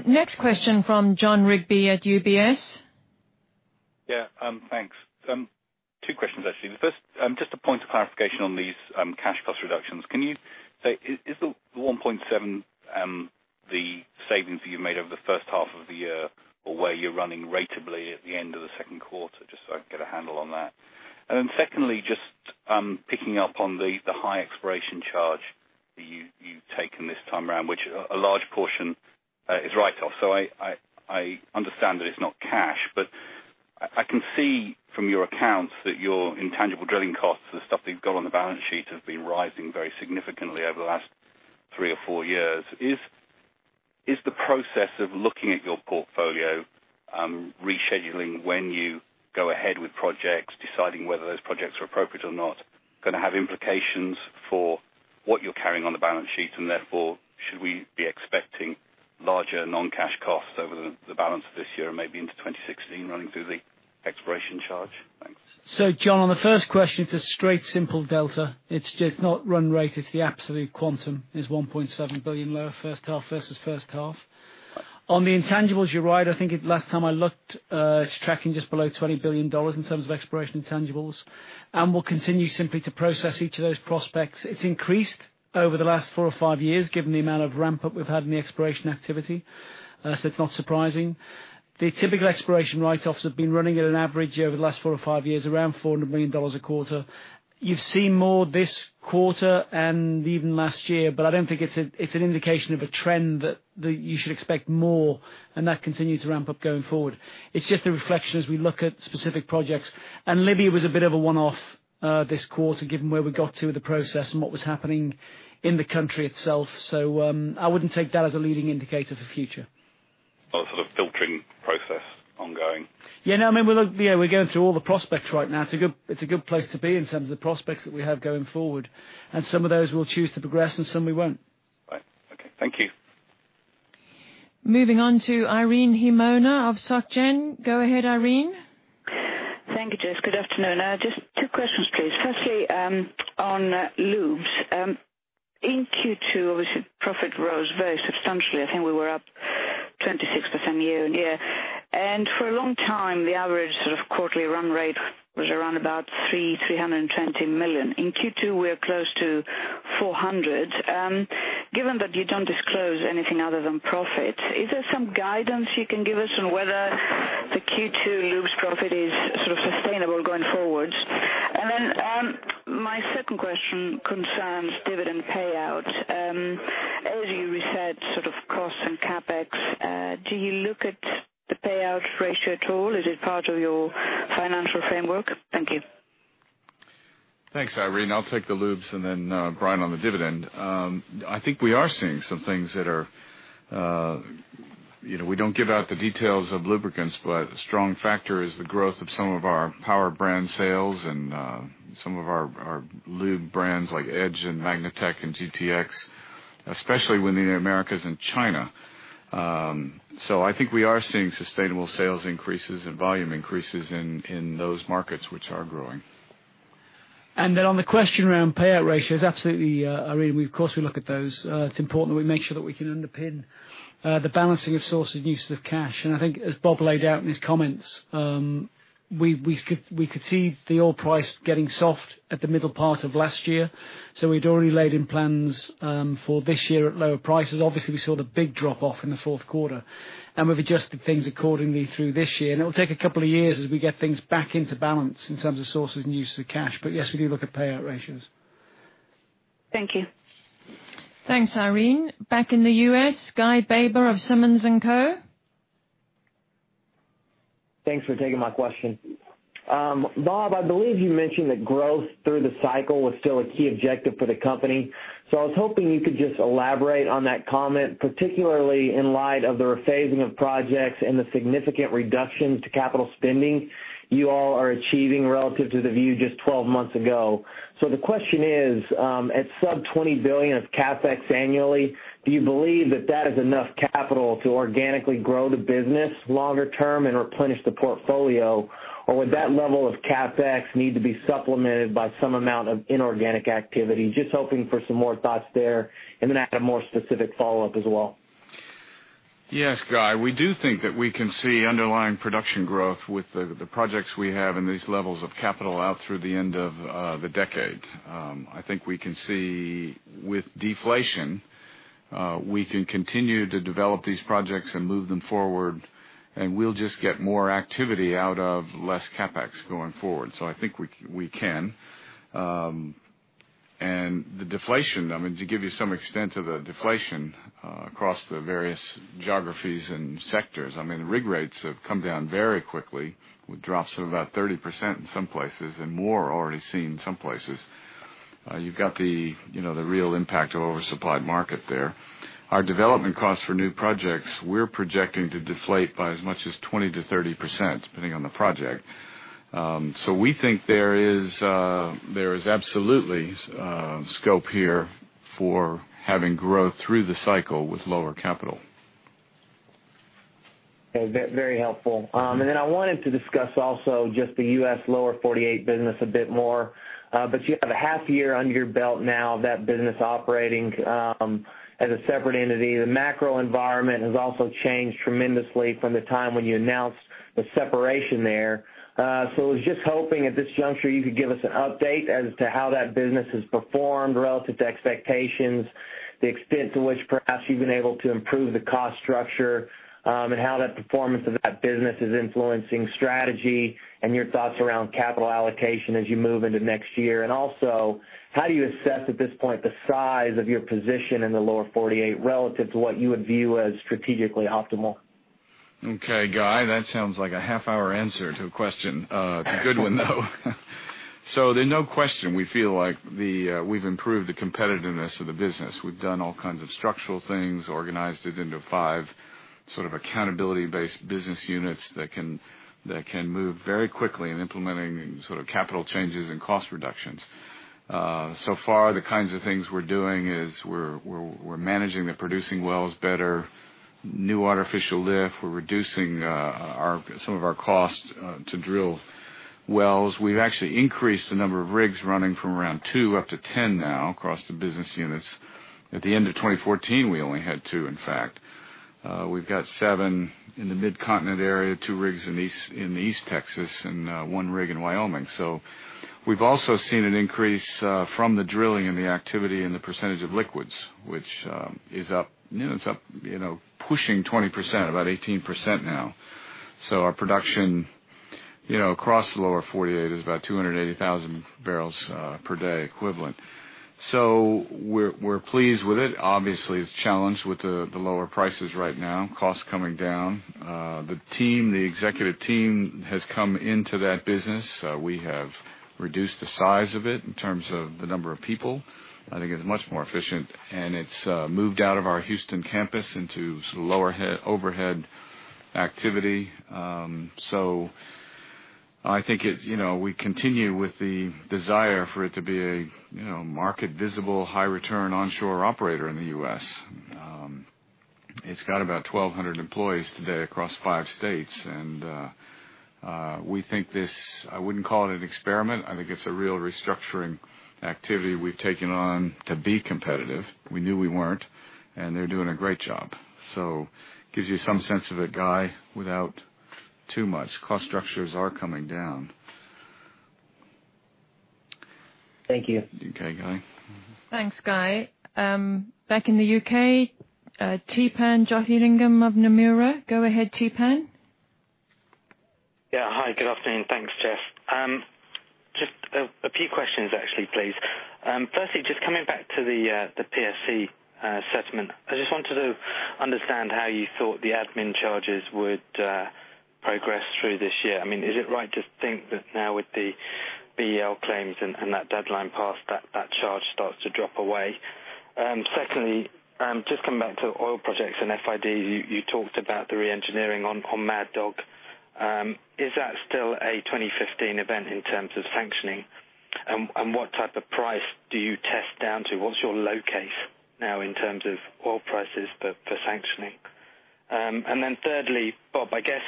Next question from Jon Rigby at UBS. Yeah, thanks. Two questions, actually. The first, just a point of clarification on these cash cost reductions. Can you say, is the $1.7 the savings that you made over the first half of the year or where you're running ratably at the end of the second quarter, just so I can get a handle on that. Then secondly, just picking up on the high exploration charge that you've taken this time around, which a large portion is write-off. I understand that it's not cash, but I can see from your accounts that your intangible drilling costs, the stuff that you've got on the balance sheet, have been rising very significantly over the last three or four years. Is the process of looking at your portfolio, rescheduling when you go ahead with projects, deciding whether those projects are appropriate or not, going to have implications for what you're carrying on the balance sheet? Therefore, should we be expecting larger non-cash costs over the balance of this year and maybe into 2016 running through the exploration charge? Thanks. Jon, on the first question, it's a straight simple delta. It's just not run rate, it's the absolute quantum. It's $1.7 billion lower first half versus first half. On the intangibles, you're right. I think last time I looked, it's tracking just below $20 billion in terms of exploration intangibles. We'll continue simply to process each of those prospects. It's increased over the last four or five years, given the amount of ramp-up we've had in the exploration activity. It's not surprising. The typical exploration write-offs have been running at an average over the last four or five years, around $400 million a quarter. You've seen more this quarter and even last year, I don't think it's an indication of a trend that you should expect more and that continue to ramp up going forward. It's just a reflection as we look at specific projects. Libya was a bit of a one-off this quarter, given where we got to with the process and what was happening in the country itself. I wouldn't take that as a leading indicator for future. Sort of filtering process ongoing? Yeah, we're going through all the prospects right now. It's a good place to be in terms of the prospects that we have going forward. Some of those we'll choose to progress and some we won't. Right. Okay. Thank you. Moving on to Irene Himona of Société Générale. Go ahead, Irene. Thank you, Jess. Good afternoon. Just two questions, please. Firstly, on lubes. In Q2, obviously profit rose very substantially. I think we were up 26% year-on-year. For a long time, the average sort of quarterly run rate was around about $320 million. In Q2, we are close to $400 million. Given that you don't disclose anything other than profit, is there some guidance you can give us on whether the Q2 lubes profit is sort of sustainable going forward? My second question concerns dividend payout. As you reset cost and CapEx, do you look at the payout ratio at all? Is it part of your financial framework? Thank you. Thanks, Irene. I'll take the lubes and then Brian on the dividend. I think we are seeing some things that we don't give out the details of lubricants, but a strong factor is the growth of some of our power brand sales and some of our lube brands like Edge and Magnatec and GTX, especially when the Americas and China. I think we are seeing sustainable sales increases and volume increases in those markets which are growing. On the question around payout ratios, absolutely, Irene, of course, we look at those. It's important that we make sure that we can underpin the balancing of sources and uses of cash. I think as Bob laid out in his comments, we could see the oil price getting soft at the middle part of last year. We'd already laid in plans for this year at lower prices. Obviously, we saw the big drop-off in the fourth quarter. We've adjusted things accordingly through this year. It will take a couple of years as we get things back into balance in terms of sources and uses of cash. Yes, we do look at payout ratios. Thank you. Thanks, Irene. Back in the U.S., Guy Baber of Simmons & Co. Thanks for taking my question. Bob, I believe you mentioned that growth through the cycle was still a key objective for the company. I was hoping you could just elaborate on that comment, particularly in light of the rephasing of projects and the significant reduction to capital spending you all are achieving relative to the view just 12 months ago. The question is, at sub-$20 billion of CapEx annually, do you believe that that is enough capital to organically grow the business longer term and replenish the portfolio? Or would that level of CapEx need to be supplemented by some amount of inorganic activity? Just hoping for some more thoughts there, and then I have a more specific follow-up as well. Yes, Guy. We do think that we can see underlying production growth with the projects we have and these levels of capital out through the end of the decade. I think we can see with deflation, we can continue to develop these projects and move them forward, and we'll just get more activity out of less CapEx going forward. I think we can. The deflation, to give you some extent of the deflation across the various geographies and sectors, rig rates have come down very quickly with drops of about 30% in some places and more already seen in some places. You've got the real impact of oversupplied market there. Our development costs for new projects, we're projecting to deflate by as much as 20%-30%, depending on the project. We think there is absolutely scope here for having growth through the cycle with lower capital. Okay. Very helpful. I wanted to discuss also just the U.S. Lower 48 business a bit more. You have a half year under your belt now of that business operating as a separate entity. The macro environment has also changed tremendously from the time when you announced the separation there. I was just hoping at this juncture, you could give us an update as to how that business has performed relative to expectations, the extent to which perhaps you've been able to improve the cost structure, and how that performance of that business is influencing strategy and your thoughts around capital allocation as you move into next year. Also, how do you assess at this point the size of your position in the Lower 48 relative to what you would view as strategically optimal? Okay, Guy, that sounds like a half-hour answer to a question. A good one, though. There's no question we feel like we've improved the competitiveness of the business. We've done all kinds of structural things, organized it into 5 sort of accountability-based business units that can move very quickly in implementing capital changes and cost reductions. So far, the kinds of things we're doing is we're managing the producing wells better, new artificial lift. We're reducing some of our cost to drill wells. We've actually increased the number of rigs running from around 2 up to 10 now across the business units. At the end of 2014, we only had 2, in fact. We've got 7 in the Mid-Continent area, 2 rigs in East Texas, and 1 rig in Wyoming. We've also seen an increase from the drilling and the activity in the percentage of liquids, which is up pushing 20%, about 18% now. Our production across the Lower 48 is about 280,000 barrels per day equivalent. We're pleased with it. Obviously, it's challenged with the lower prices right now, costs coming down. The executive team has come into that business. We have reduced the size of it in terms of the number of people. I think it's much more efficient, and it's moved out of our Houston campus into lower overhead activity. I think we continue with the desire for it to be a market-visible, high-return onshore operator in the U.S. It's got about 1,200 employees today across 5 states, and we think this, I wouldn't call it an experiment, I think it's a real restructuring activity we've taken on to be competitive. We knew we weren't, and they're doing a great job. Gives you some sense of it, Guy, without too much. Cost structures are coming down. Thank you. Okay, Guy. Thanks, Guy. Back in the U.K., Theepan Jothilingam of Nomura. Go ahead, Theepan. Yeah. Hi, good afternoon. Thanks, Jess. Just a few questions, actually, please. Firstly, just coming back to the PSC assessment, I just wanted to understand how you thought the admin charges would progress through this year. Is it right to think that now with the BEL claims and that deadline passed, that charge starts to drop away? Secondly, just coming back to oil projects and FID, you talked about the re-engineering on Mad Dog. Is that still a 2015 event in terms of sanctioning? What type of price do you test down to? What's your low case now in terms of oil prices for sanctioning? Thirdly, Bob, I guess,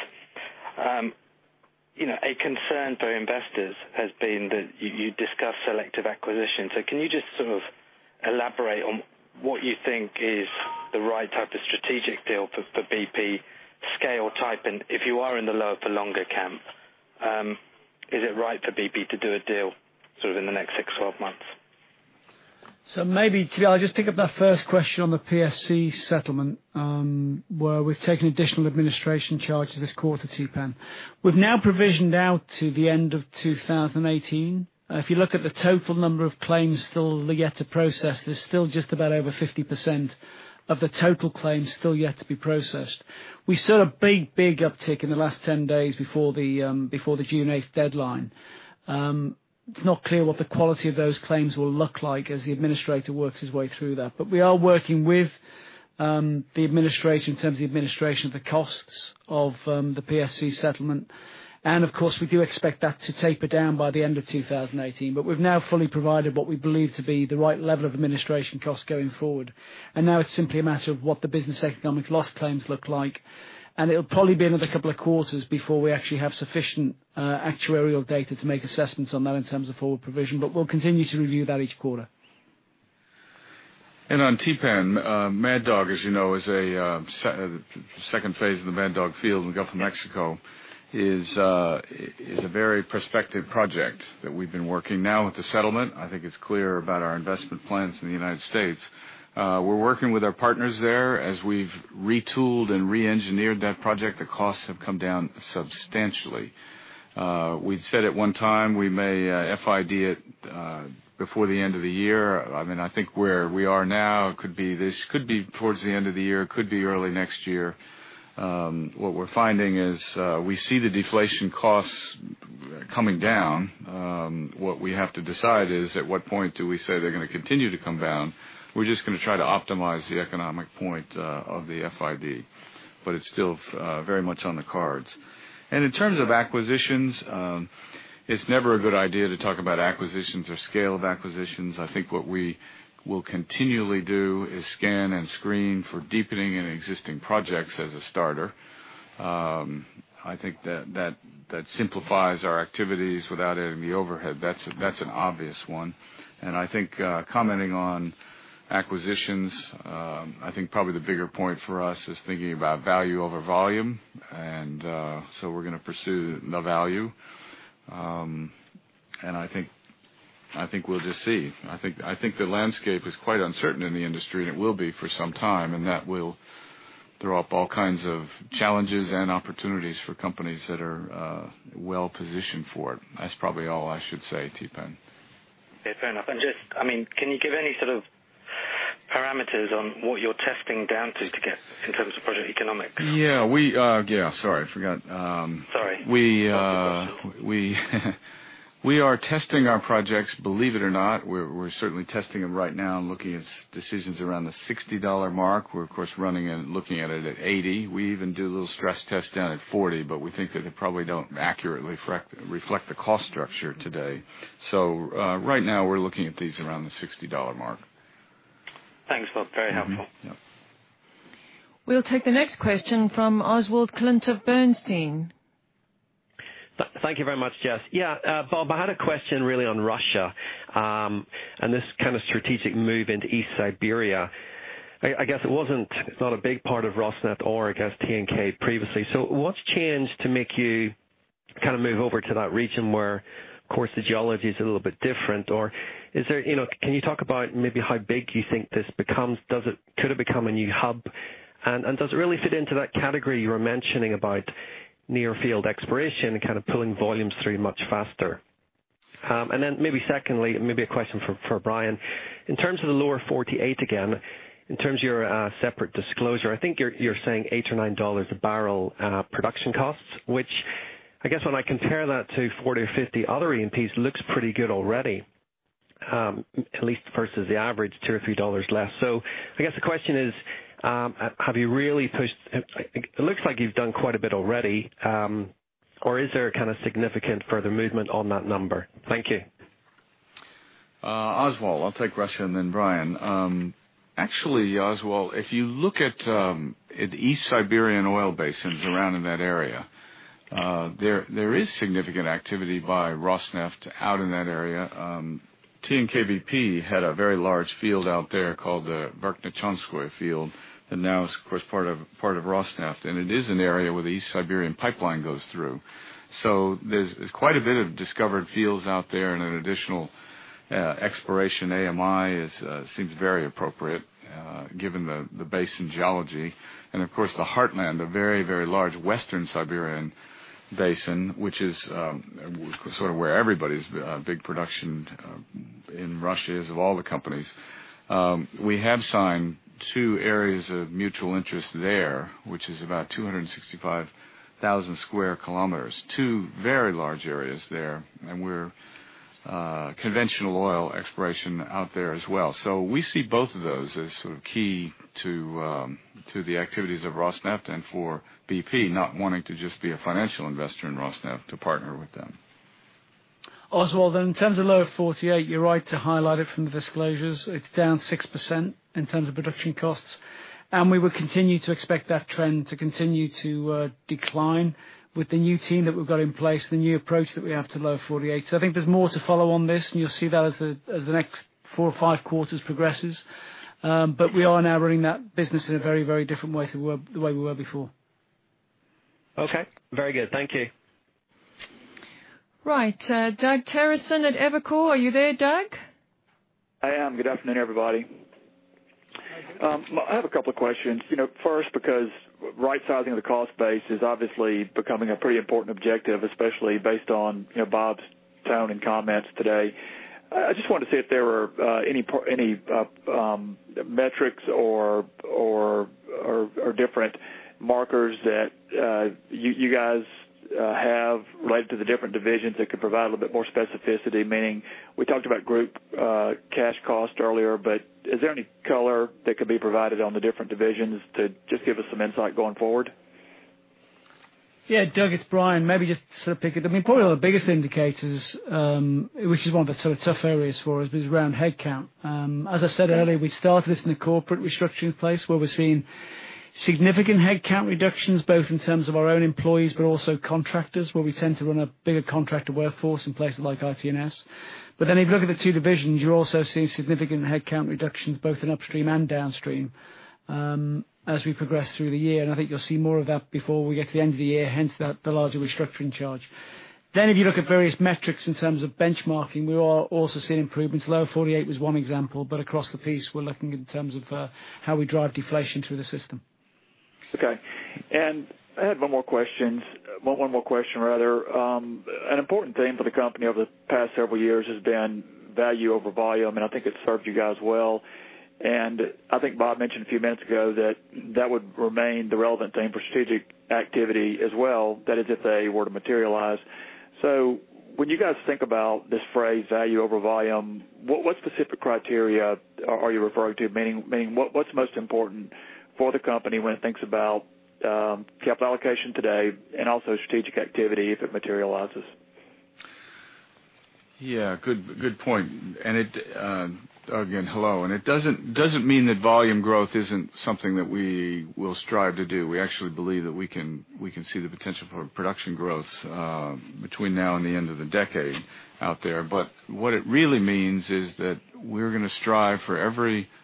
a concern for investors has been that you discuss selective acquisitions. Can you just sort of elaborate on what you think is the right type of strategic deal for BP scale type? If you are in the lower for longer camp, is it right for BP to do a deal sort of in the next six, 12 months? Maybe to pick up that first question on the PSC settlement, where we've taken additional administration charges this quarter, Theepan. We've now provisioned out to the end of 2018. If you look at the total number of claims still yet to process, there's still just about over 50% of the total claims still yet to be processed. We saw a big uptick in the last 10 days before the June 8th deadline. It's not clear what the quality of those claims will look like as the administrator works his way through that. We are working with the administration in terms of the administration of the costs of the PSC settlement. Of course, we do expect that to taper down by the end of 2018. We've now fully provided what we believe to be the right level of administration costs going forward. Now it's simply a matter of what the business economic loss claims look like. It'll probably be another couple of quarters before we actually have sufficient actuarial data to make assessments on that in terms of forward provision, but we'll continue to review that each quarter. On Theepan, Mad Dog, as you know, the second phase of the Mad Dog field in the Gulf of Mexico is a very prospective project that we've been working now with the settlement. I think it's clear about our investment plans in the U.S. We're working with our partners there. As we've retooled and re-engineered that project, the costs have come down substantially. We'd said at one time we may FID it before the end of the year. I think where we are now, this could be towards the end of the year, could be early next year. What we're finding is, we see the deflation costs coming down. What we have to decide is at what point do we say they're going to continue to come down. We're just going to try to optimize the economic point of the FID. It's still very much on the cards. In terms of acquisitions, it's never a good idea to talk about acquisitions or scale of acquisitions. I think what we will continually do is scan and screen for deepening in existing projects as a starter. I think that simplifies our activities without adding the overhead. That's an obvious one. I think commenting on acquisitions, I think probably the bigger point for us is thinking about value over volume. So we're going to pursue the value. I think we'll just see. I think the landscape is quite uncertain in the industry, and it will be for some time, and that will throw up all kinds of challenges and opportunities for companies that are well-positioned for it. That's probably all I should say, Theepan. Yeah, fair enough. Just can you give any sort of parameters on what you're testing down to get in terms of project economics? Yeah. Sorry, I forgot. Sorry. We are testing our projects, believe it or not. We're certainly testing them right now and looking at decisions around the $60 mark. We're of course running and looking at it at $80. We even do a little stress test down at $40, but we think that they probably don't accurately reflect the cost structure today. Right now we're looking at these around the $60 mark. Thanks, Bob. Very helpful. Yep. We'll take the next question from Oswald Clint of Bernstein. Thank you very much, Jess. Bob, I had a question really on Russia, and this kind of strategic move into East Siberia. I guess it wasn't, it's not a big part of Rosneft or I guess TNK previously. What's changed to make you kind of move over to that region where, of course, the geology is a little bit different? Can you talk about maybe how big you think this becomes? Could it become a new hub? Does it really fit into that category you were mentioning about Near-field exploration and kind of pulling volumes through much faster. Then maybe secondly, maybe a question for Brian. In terms of the Lower 48, again, in terms of your separate disclosure, I think you're saying $8 or $9 a barrel production costs, which I guess when I compare that to 40 or 50 other E&Ps, it looks pretty good already. At least versus the average $2 or $3 less. I guess the question is, it looks like you've done quite a bit already, or is there kind of significant further movement on that number? Thank you. Oswald, I'll take Russia and then Brian. Oswald, if you look at East Siberian oil basins around in that area, there is significant activity by Rosneft out in that area. TNK-BP had a very large field out there called the Verkhnechonskoye field, and now it's of course, part of Rosneft, and it is an area where the East Siberian pipeline goes through. There's quite a bit of discovered fields out there and an additional exploration AMI seems very appropriate, given the basin geology. Of course, the heartland, the very large Western Siberian basin, which is sort of where everybody's big production in Russia is, of all the companies. We have signed two areas of mutual interest there, which is about 265,000 sq km. Two very large areas there, and we're conventional oil exploration out there as well. We see both of those as sort of key to the activities of Rosneft and for BP not wanting to just be a financial investor in Rosneft, to partner with them. Oswald, in terms of Lower 48, you're right to highlight it from the disclosures. It's down 6% in terms of production costs. We would continue to expect that trend to continue to decline with the new team that we've got in place, the new approach that we have to Lower 48. I think there's more to follow on this, and you'll see that as the next four or five quarters progresses. We are now running that business in a very, very different way to the way we were before. Okay. Very good. Thank you. Right. Doug Terreson at Evercore. Are you there, Doug? I am. Good afternoon, everybody. Hi, Doug. I have a couple of questions. First, because right-sizing the cost base is obviously becoming a pretty important objective, especially based on Bob's tone and comments today. I just wanted to see if there were any metrics or different markers that you guys have related to the different divisions that could provide a little bit more specificity, meaning we talked about group cash cost earlier, but is there any color that could be provided on the different divisions to just give us some insight going forward? Doug, it's Brian. Maybe just sort of pick it. I mean, probably the biggest indicators, which is one of the sort of tough areas for us, is around headcount. As I said earlier, we started this in a corporate restructuring place where we're seeing significant headcount reductions, both in terms of our own employees, but also contractors, where we tend to run a bigger contractor workforce in places like IT&S. If you look at the two divisions, you're also seeing significant headcount reductions both in upstream and downstream, as we progress through the year. I think you'll see more of that before we get to the end of the year, hence the larger restructuring charge. If you look at various metrics in terms of benchmarking, we are also seeing improvements. Lower 48 was one example, across the piece, we're looking in terms of how we drive deflation through the system. Okay. I had one more question. An important theme for the company over the past several years has been value over volume, and I think it served you guys well. I think Bob mentioned a few minutes ago that that would remain the relevant theme for strategic activity as well, that is, if they were to materialize. When you guys think about this phrase, value over volume, what specific criteria are you referring to? Meaning, what's most important for the company when it thinks about capital allocation today and also strategic activity if it materializes? Yeah, good point. Doug, again, hello. It doesn't mean that volume growth isn't something that we will strive to do. We actually believe that we can see the potential for production growth between now and the end of the decade out there. What it really means is that we're going to strive for every additional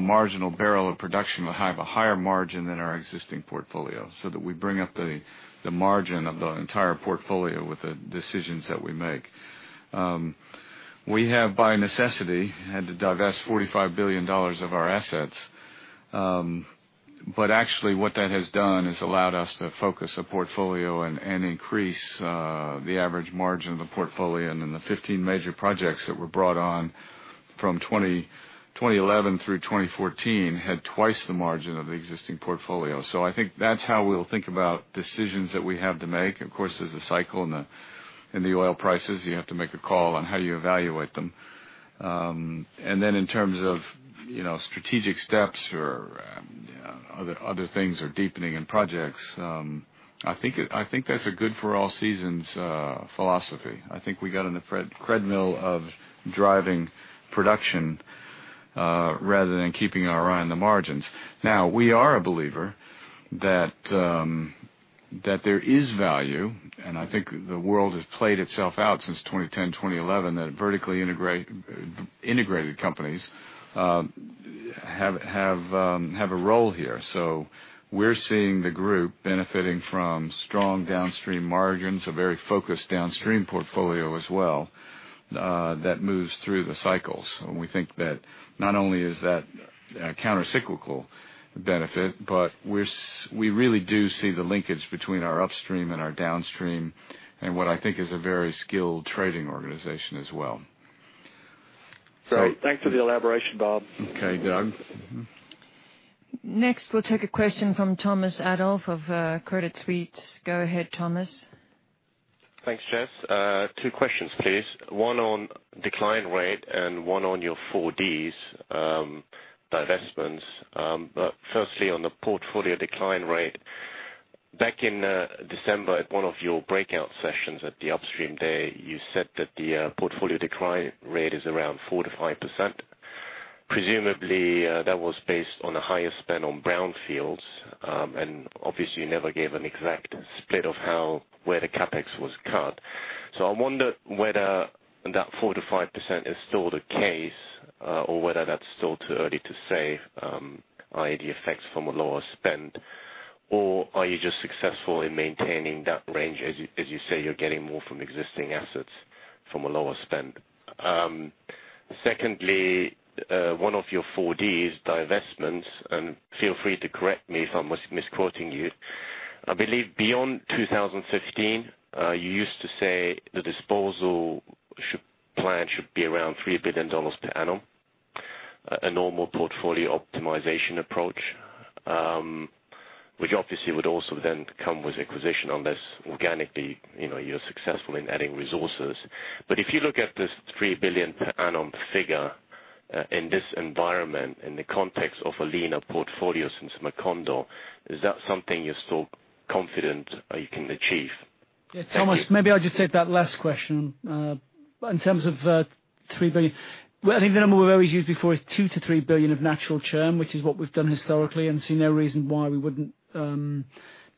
marginal barrel of production will have a higher margin than our existing portfolio, so that we bring up the margin of the entire portfolio with the decisions that we make. We have, by necessity, had to divest $45 billion of our assets. Actually what that has done is allowed us to focus a portfolio and increase the average margin of the portfolio. The 15 major projects that were brought on from 2011 through 2014 had twice the margin of the existing portfolio. I think that's how we'll think about decisions that we have to make. Of course, there's a cycle in the oil prices. You have to make a call on how you evaluate them. In terms of strategic steps or other things or deepening in projects, I think that's a good for all seasons philosophy. I think we got in the treadmill of driving production, rather than keeping our eye on the margins. Now, we are a believer that there is value, and I think the world has played itself out since 2010, 2011, that vertically integrated companies have a role here. We're seeing the group benefiting from strong downstream margins, a very focused downstream portfolio as well. That moves through the cycles. We think that not only is that a counter-cyclical benefit, but we really do see the linkage between our upstream and our downstream, and what I think is a very skilled trading organization as well. Great. Thanks for the elaboration, Bob. Okay, Doug. Next, we'll take a question from Thomas Adolff of Credit Suisse. Go ahead, Thomas. Thanks, Jess. Two questions, please. One on decline rate and one on your 4 Ds, divestments. Firstly, on the portfolio decline rate. Back in December, at one of your breakout sessions at the Upstream Day, you said that the portfolio decline rate is around 4%-5%. Presumably, that was based on a higher spend on brownfields, and obviously you never gave an exact split of where the CapEx was cut. I wonder whether that 4%-5% is still the case, or whether that's still too early to say, i.e. the effects from a lower spend. Are you just successful in maintaining that range, as you say you're getting more from existing assets from a lower spend? Secondly, one of your 4 Ds, divestments, and feel free to correct me if I'm misquoting you. Obviously would also then come with acquisition on this, organically, you're successful in adding resources. If you look at this $3 billion per annum figure, in this environment, in the context of a leaner portfolio since Deepwater Horizon, is that something you're still confident you can achieve? Yeah, Thomas, maybe I'll just take that last question. In terms of $3 billion. Well, I think the number we've always used before is $2 billion-$3 billion of natural churn, which is what we've done historically and see no reason why we wouldn't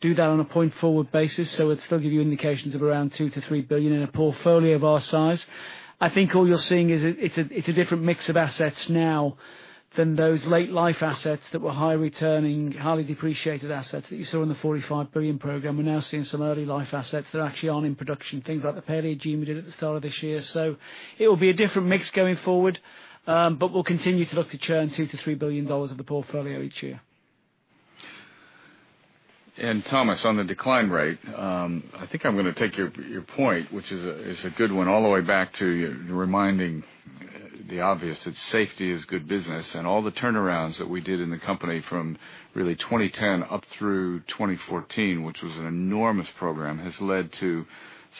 do that on a point-forward basis. It'll still give you indications of around $2 billion-$3 billion in a portfolio of our size. I think all you're seeing is it's a different mix of assets now than those late life assets that were high returning, highly depreciated assets that you saw in the $45 billion program. We're now seeing some early life assets that actually aren't in production, things like the Perijá we did at the start of this year. It will be a different mix going forward, but we'll continue to look to churn $2 billion-$3 billion of the portfolio each year. Thomas, on the decline rate, I think I'm going to take your point, which is a good one, all the way back to reminding the obvious, that safety is good business. All the turnarounds that we did in the company from really 2010 up through 2014, which was an enormous program, has led to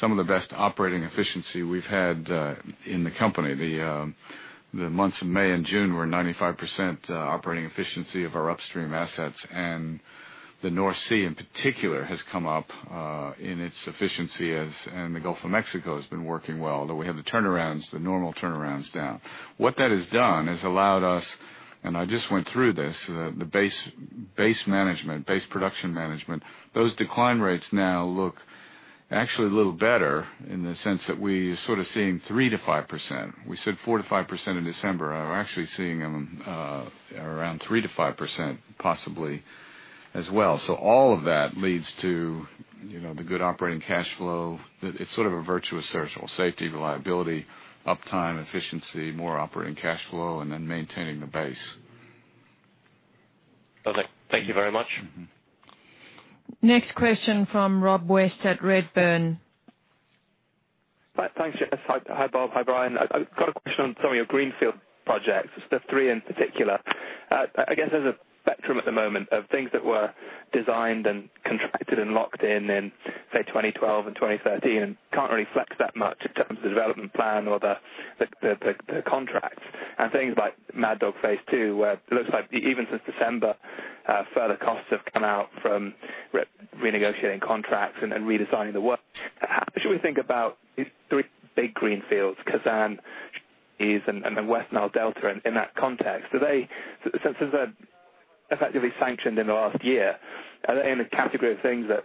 some of the best operating efficiency we've had in the company. The months of May and June were 95% operating efficiency of our upstream assets. The North Sea in particular has come up in its efficiency, and the Gulf of Mexico has been working well, though we have the turnarounds, the normal turnarounds now. What that has done is allowed us, and I just went through this, the base production management. Those decline rates now look actually a little better in the sense that we're sort of seeing 3%-5%. We said 4%-5% in December. We're actually seeing around 3%-5% possibly as well. All of that leads to the good operating cash flow. It's sort of a virtuous circle. Safety, reliability, uptime, efficiency, more operating cash flow, and then maintaining the base. Perfect. Thank you very much. Next question from Rob West at Redburn. Thanks, Jess. Hi, Bob. Hi, Brian. I've got a question on some of your greenfield projects, step three in particular. I guess there's a spectrum at the moment of things that were designed and contracted and locked in, say, 2012 and 2013, and can't really flex that much in terms of the development plan or the contracts. Things like Mad Dog Phase 2, where it looks like even since December, further costs have come out from renegotiating contracts and redesigning the work. How should we think about these three big greenfields, Khazzan, Shah Deniz, and West Nile Delta in that context? Since those are effectively sanctioned in the last year, are they in a category of things that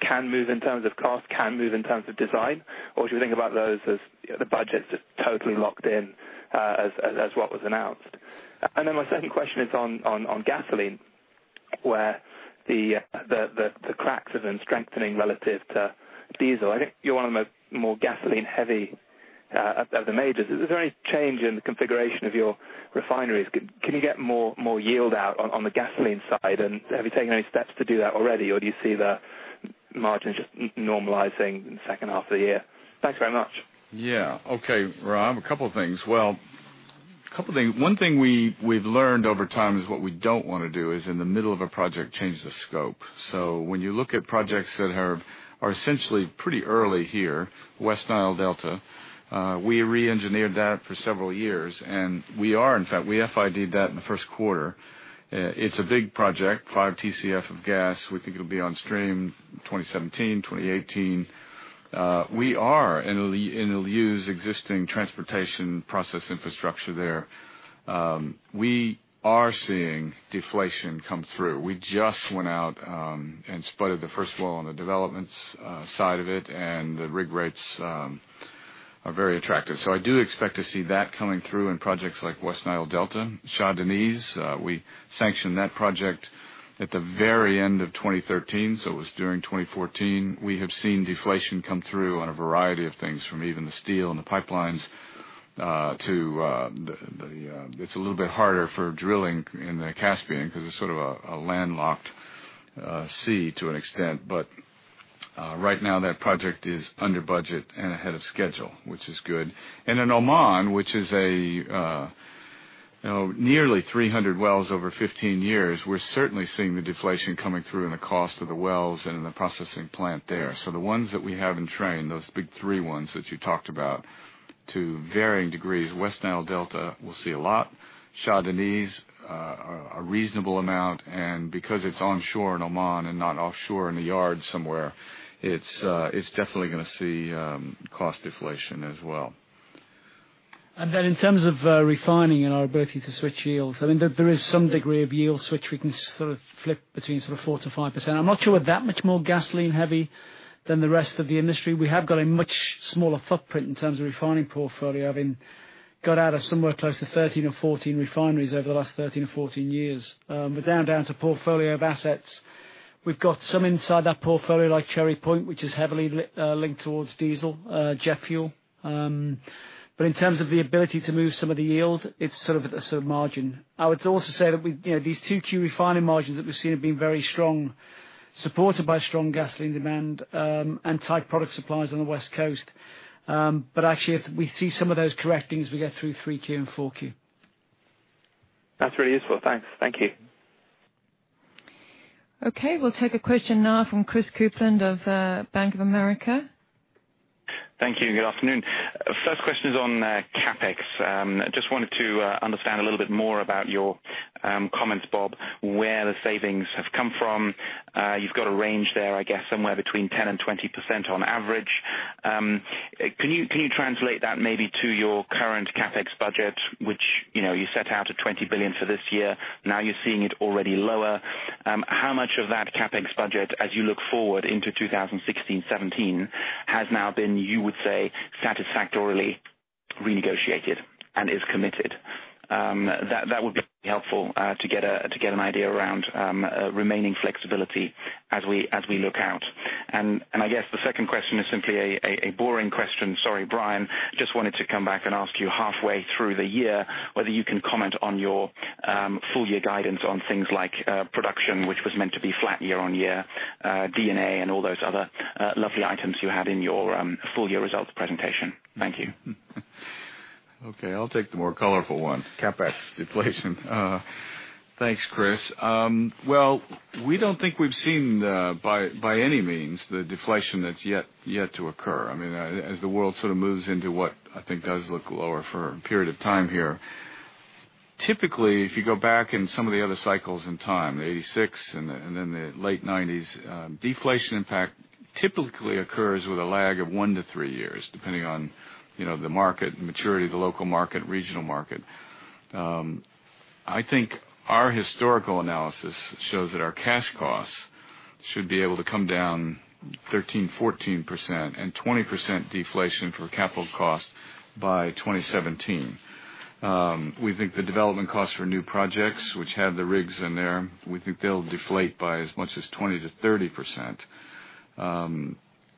can move in terms of cost, can move in terms of design? Or should we think about those as the budget's just totally locked in as what was announced? My second question is on gasoline, where the cracks have been strengthening relative to diesel. I think you're one of the more gasoline-heavy of the majors. Is there any change in the configuration of your refineries? Can you get more yield out on the gasoline side? Have you taken any steps to do that already, or do you see the margins just normalizing in the second half of the year? Thanks very much. Okay, Rob, a couple things. One thing we've learned over time is what we don't want to do is in the middle of a project change the scope. When you look at projects that are essentially pretty early here, West Nile Delta, we re-engineered that for several years, and we are, in fact, we FID that in the first quarter. It's a big project, 5 TCF of gas. We think it'll be on stream 2017, 2018. We are in WDDM's existing transportation process infrastructure there. We are seeing deflation come through. We just went out and spotted the first well on the developments side of it, and the rig rates are very attractive. I do expect to see that coming through in projects like West Nile Delta. Shah Deniz, we sanctioned that project at the very end of 2013. It was during 2014, we have seen deflation come through on a variety of things, from even the steel and the pipelines. It's a little bit harder for drilling in the Caspian because it's sort of a landlocked sea to an extent. Right now, that project is under budget and ahead of schedule, which is good. In Oman, which is nearly 300 wells over 15 years, we're certainly seeing the deflation coming through in the cost of the wells and in the processing plant there. The ones that we have in train, those big three ones that you talked about, to varying degrees, West Nile Delta will see a lot, Shah Deniz, a reasonable amount. Because it's onshore in Oman and not offshore in a yard somewhere, it's definitely going to see cost deflation as well. In terms of refining and our ability to switch yields, there is some degree of yield switch we can sort of flip between 4%-5%. I'm not sure we're that much more gasoline-heavy than the rest of the industry. We have got a much smaller footprint in terms of refining portfolio, having got out of somewhere close to 13 or 14 refineries over the last 13 or 14 years. We're down to a portfolio of assets. We've got some inside that portfolio, like Cherry Point, which is heavily linked towards diesel, jet fuel. In terms of the ability to move some of the yield, it's sort of at a certain margin. I would also say that these 2Q refining margins that we've seen have been very strong, supported by strong gasoline demand and tight product supplies on the West Coast. Actually, we see some of those correcting as we get through 3Q and 4Q. That's really useful. Thanks. Thank you. We'll take a question now from Christopher Kuplent of Bank of America. Thank you. Good afternoon. First question is on CapEx. Just wanted to understand a little bit more about your comments, Bob, where the savings have come from. You've got a range there, I guess somewhere between 10%-20% on average. Can you translate that maybe to your current CapEx budget, which you set out at $20 billion for this year. Now you're seeing it already lower. How much of that CapEx budget as you look forward into 2016-2017 has now been, you would say, satisfactorily renegotiated and is committed? That would be helpful to get an idea around remaining flexibility as we look out. I guess the second question is simply a boring question. Sorry, Brian, just wanted to come back and ask you halfway through the year, whether you can comment on your full-year guidance on things like production, which was meant to be flat year-over-year, DD&A, and all those other lovely items you had in your full-year results presentation. Thank you. Okay, I'll take the more colorful one, CapEx deflation. Thanks, Chris. We don't think we've seen by any means the deflation that's yet to occur. As the world sort of moves into what I think does look lower for a period of time here. Typically, if you go back in some of the other cycles in time, 1986 and then the late 1990s, deflation impact typically occurs with a lag of 1-3 years, depending on the market, the maturity of the local market, regional market. I think our historical analysis shows that our cash costs should be able to come down 13%, 14%, and 20% deflation for capital costs by 2017. We think the development costs for new projects, which have the rigs in there, we think they'll deflate by as much as 20%-30%.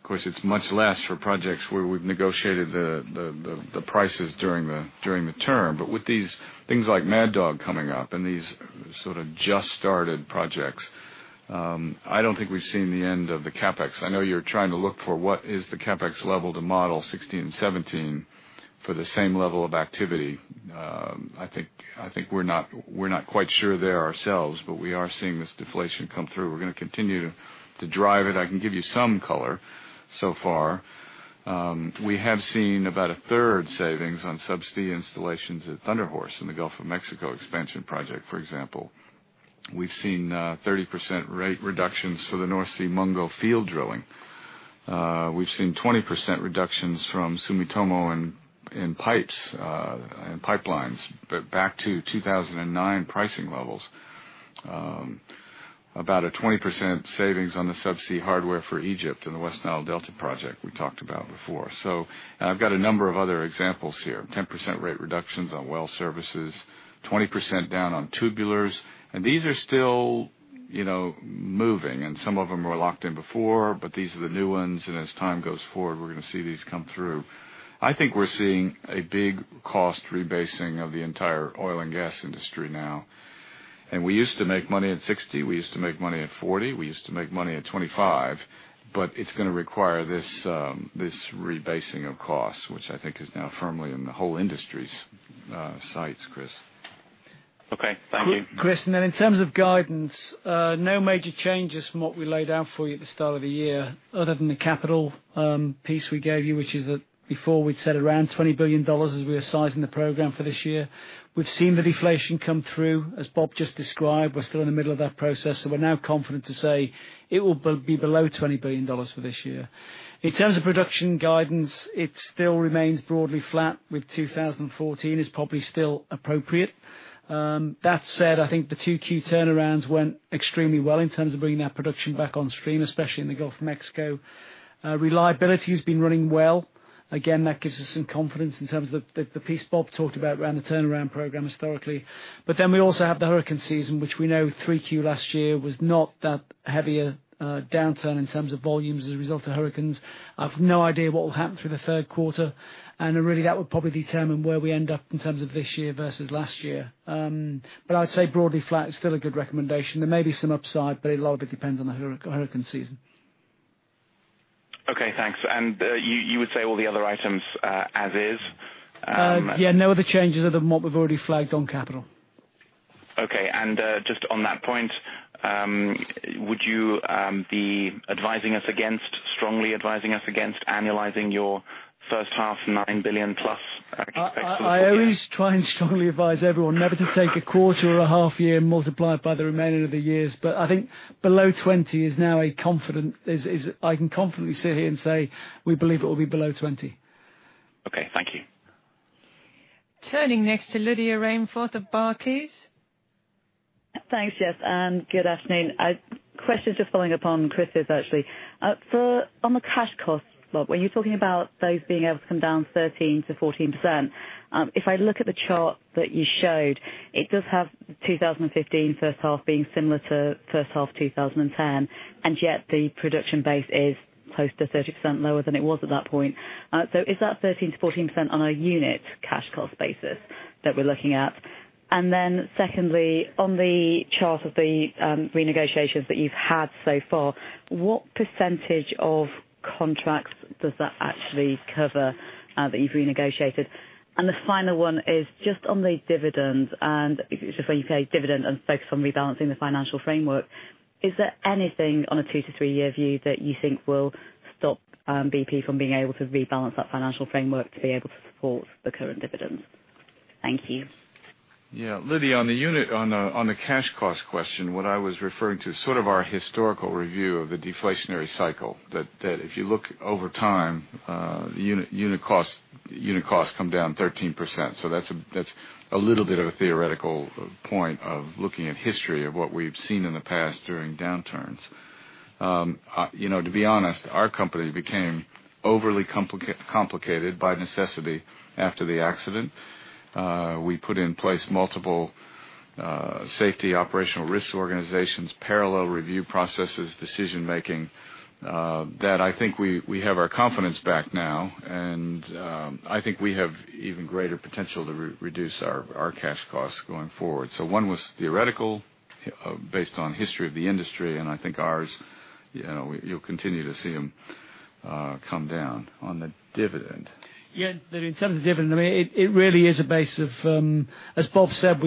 Of course, it's much less for projects where we've negotiated the prices during the term. With these things like Mad Dog coming up and these sort of just started projects, I don't think we've seen the end of the CapEx. I know you're trying to look for what is the CapEx level to model 2016 and 2017 for the same level of activity. I think we're not quite sure there ourselves, but we are seeing this deflation come through. We're going to continue to drive it. I can give you some color so far. We have seen about a third savings on subsea installations at Thunder Horse in the Gulf of Mexico expansion project, for example. We've seen 30% rate reductions for the North Sea Mungo field drilling. We've seen 20% reductions from Sumitomo in pipes and pipelines back to 2009 pricing levels. About a 20% savings on the subsea hardware for Egypt and the West Nile Delta project we talked about before. I've got a number of other examples here, 10% rate reductions on well services, 20% down on tubulars. These are still moving, and some of them were locked in before, but these are the new ones, and as time goes forward, we're going to see these come through. I think we're seeing a big cost rebasing of the entire oil and gas industry now. We used to make money at $60, we used to make money at $40, we used to make money at $25, it's going to require this rebasing of costs, which I think is now firmly in the whole industry's sights, Chris. Okay. Thank you. Chris, in terms of guidance, no major changes from what we laid out for you at the start of the year other than the capital piece we gave you, which is that before we'd said around GBP 20 billion as we were sizing the program for this year. We've seen the deflation come through, as Bob just described. We're still in the middle of that process, so we're now confident to say it will be below GBP 20 billion for this year. In terms of production guidance, it still remains broadly flat with 2014 is probably still appropriate. That said, I think the 2Q turnarounds went extremely well in terms of bringing our production back on stream, especially in the Gulf of Mexico. Reliability has been running well. Again, that gives us some confidence in terms of the piece Bob talked about around the turnaround program historically. We also have the hurricane season, which we know Q3 last year was not that heavy a downturn in terms of volumes as a result of hurricanes. I've no idea what will happen through the third quarter, really that will probably determine where we end up in terms of this year versus last year. I'd say broadly flat is still a good recommendation. There may be some upside, a lot of it depends on the hurricane season. Okay, thanks. You would say all the other items as is? Yeah, no other changes other than what we've already flagged on capital. Okay. Just on that point, would you be strongly advising us against annualizing your first half $9 billion-plus CapEx forecast? I always try and strongly advise everyone never to take a quarter or a half year and multiply it by the remainder of the years. I think below $20, I can confidently sit here and say we believe it will be below $20. Okay, thank you. Turning next to Lydia Rainforth of Barclays. Thanks, Jessica, good afternoon. A question just following up on Chris's, actually. On the cash costs, Bob, were you talking about those being able to come down 13%-14%? If I look at the chart that you showed, it does have 2015 first half being similar to first half 2010, and yet the production base is close to 30% lower than it was at that point. Is that 13%-14% on a unit cash cost basis that we're looking at? Secondly, on the chart of the renegotiations that you've had so far, what percentage of contracts does that actually cover that you've renegotiated? The final one is just on the dividends, and just when you say dividend and focus on rebalancing the financial framework, is there anything on a two- to three-year view that you think will stop BP from being able to rebalance that financial framework to be able to support the current dividends? Thank you. Yeah. Lydia, on the cash cost question, what I was referring to sort of our historical review of the deflationary cycle, that if you look over time, unit costs come down 13%. That's a little bit of a theoretical point of looking at history of what we've seen in the past during downturns. To be honest, our company became overly complicated by necessity after the accident. We put in place multiple safety operational risk organizations, parallel review processes, decision-making. That I think we have our confidence back now, and I think we have even greater potential to reduce our cash costs going forward. One was theoretical based on history of the industry, and I think ours, you'll continue to see them come down. On the dividend. Lydia, in terms of dividend, it really is a base of, as Bob said,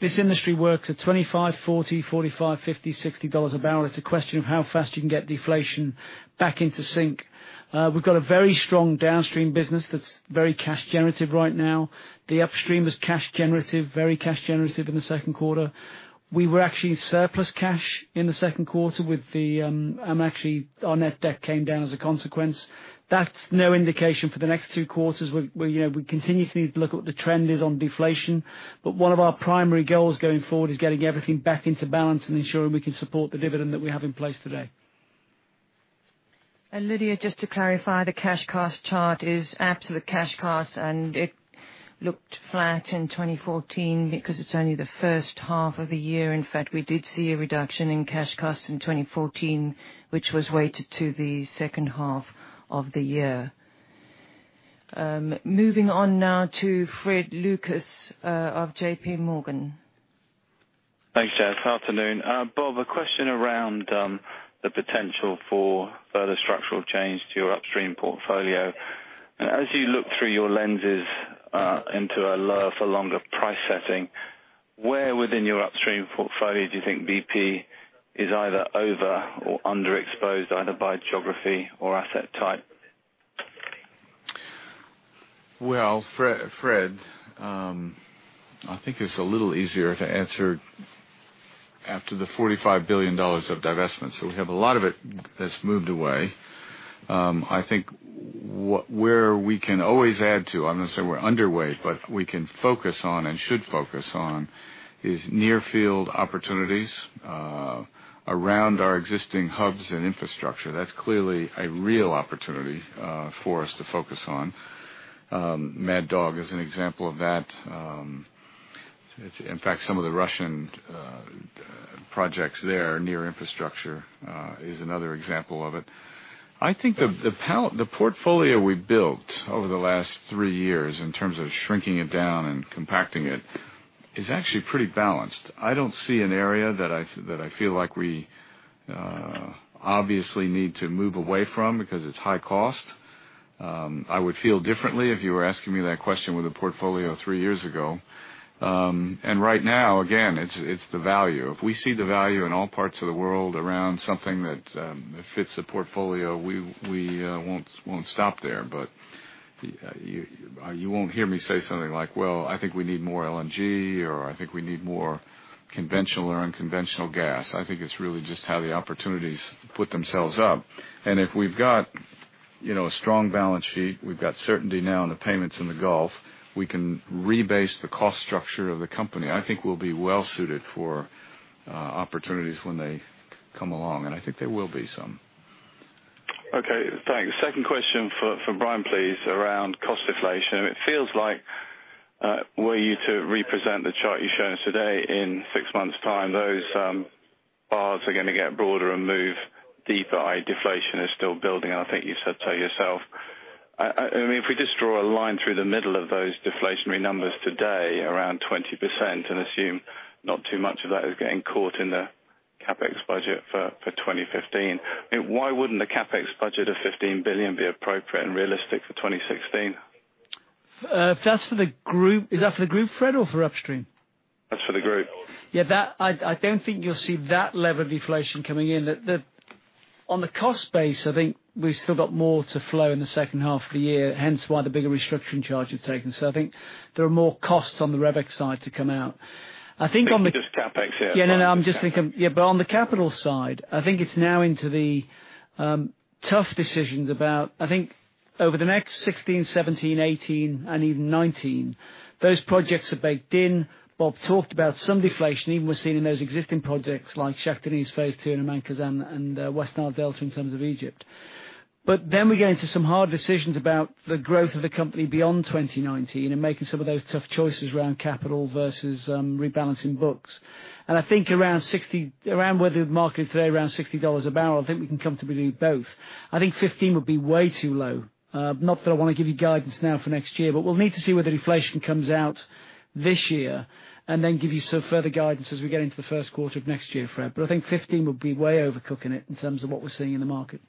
this industry works at 25, 40, 45, 50, $60 a barrel. It's a question of how fast you can get deflation back into sync. We've got a very strong Downstream business that's very cash generative right now. The Upstream is cash generative, very cash generative in the second quarter. We were actually surplus cash in the second quarter, and actually our net debt came down as a consequence. That's no indication for the next two quarters. We continue to need to look at what the trend is on deflation. One of our primary goals going forward is getting everything back into balance and ensuring we can support the dividend that we have in place today. Lydia, just to clarify, the cash cost chart is absolute cash costs, and it looked flat in 2014 because it's only the first half of the year. In fact, we did see a reduction in cash costs in 2014, which was weighted to the second half of the year. Moving on now to Fred Lucas of J.P. Morgan. Thanks, Jess. Afternoon. Bob, a question around the potential for further structural change to your Upstream portfolio. As you look through your lenses into a lower-for-longer price setting, where within your Upstream portfolio do you think BP is either over or underexposed, either by geography or asset type? Well, Fred, I think it's a little easier to answer after the $45 billion of divestments. We have a lot of it that's moved away. I think where we can always add to, I'm going to say we're underweight, but we can focus on and should focus on, is near-field opportunities around our existing hubs and infrastructure. That's clearly a real opportunity for us to focus on. Mad Dog is an example of that. In fact, some of the Russian projects there near infrastructure is another example of it. I think the portfolio we built over the last three years in terms of shrinking it down and compacting it is actually pretty balanced. I don't see an area that I feel like we obviously need to move away from because it's high cost. I would feel differently if you were asking me that question with the portfolio three years ago. Right now, again, it's the value. If we see the value in all parts of the world around something that fits the portfolio, we won't stop there. You won't hear me say something like, "Well, I think we need more LNG," or, "I think we need more conventional or unconventional gas." I think it's really just how the opportunities put themselves up. If we've got a strong balance sheet. We've got certainty now in the payments in the Gulf. We can rebase the cost structure of the company. I think we'll be well-suited for opportunities when they come along, and I think there will be some. Okay, thanks. Second question for Brian, please, around cost deflation. It feels like, were you to represent the chart you showed us today in six months' time, those bars are going to get broader and move deeper. Deflation is still building, and I think you said so yourself. If we just draw a line through the middle of those deflationary numbers today, around 20%, and assume not too much of that is getting caught in the CapEx budget for 2015, why wouldn't a CapEx budget of $15 billion be appropriate and realistic for 2016? Is that for the group, Fred, or for upstream? That's for the group. Yeah, I don't think you'll see that level of deflation coming in. On the cost base, I think we've still got more to flow in the second half of the year, hence why the bigger restructuring charge we've taken. I think there are more costs on the RevEx side to come out. I think on the- Think of just CapEx here. Yeah, on the capital side, I think it's now into the tough decisions about, I think, over the next 16, 17, 18, and even 19, those projects are baked in. Bob talked about some deflation even was seen in those existing projects like Shah Deniz Phase 2 and Khazzan and West Nile Delta in terms of Egypt. We get into some hard decisions about the growth of the company beyond 2019 and making some of those tough choices around capital versus rebalancing books. I think around where the market is today, around $60 a barrel, I think we can comfortably do both. I think 15 would be way too low. Not that I want to give you guidance now for next year, we'll need to see where the deflation comes out this year and then give you some further guidance as we get into the first quarter of next year, Fred. I think 15 would be way overcooking it in terms of what we're seeing in the market.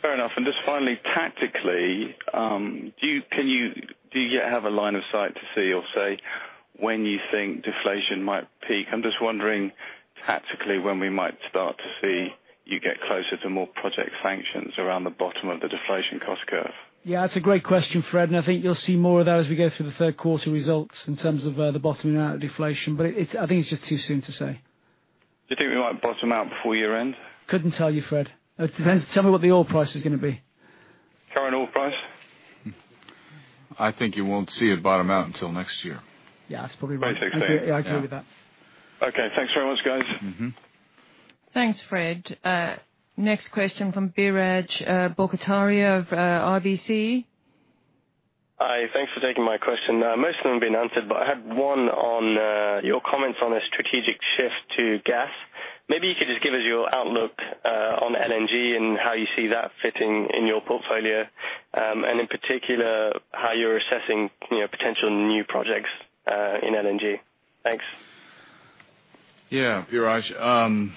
Fair enough. Just finally, tactically, do you have a line of sight to see or say when you think deflation might peak? I'm just wondering, tactically, when we might start to see you get closer to more project sanctions around the bottom of the deflation cost curve. Yeah, that's a great question, Fred. I think you'll see more of that as we go through the third quarter results in terms of the bottoming out of deflation. I think it's just too soon to say. Do you think we might bottom out before year-end? Couldn't tell you, Fred. Tell me what the oil price is going to be. Current oil price. I think you won't see it bottom out until next year. Yeah, that's probably right. 2016. I agree with that. Okay. Thanks very much, guys. Thanks, Fred. Next question from Biraj Borkhataria of RBC. Hi, thanks for taking my question. Most of them have been answered. I had one on your comments on a strategic shift to gas. Maybe you could just give us your outlook on LNG and how you see that fitting in your portfolio, and in particular, how you're assessing potential new projects in LNG. Thanks. Yeah, Biraj.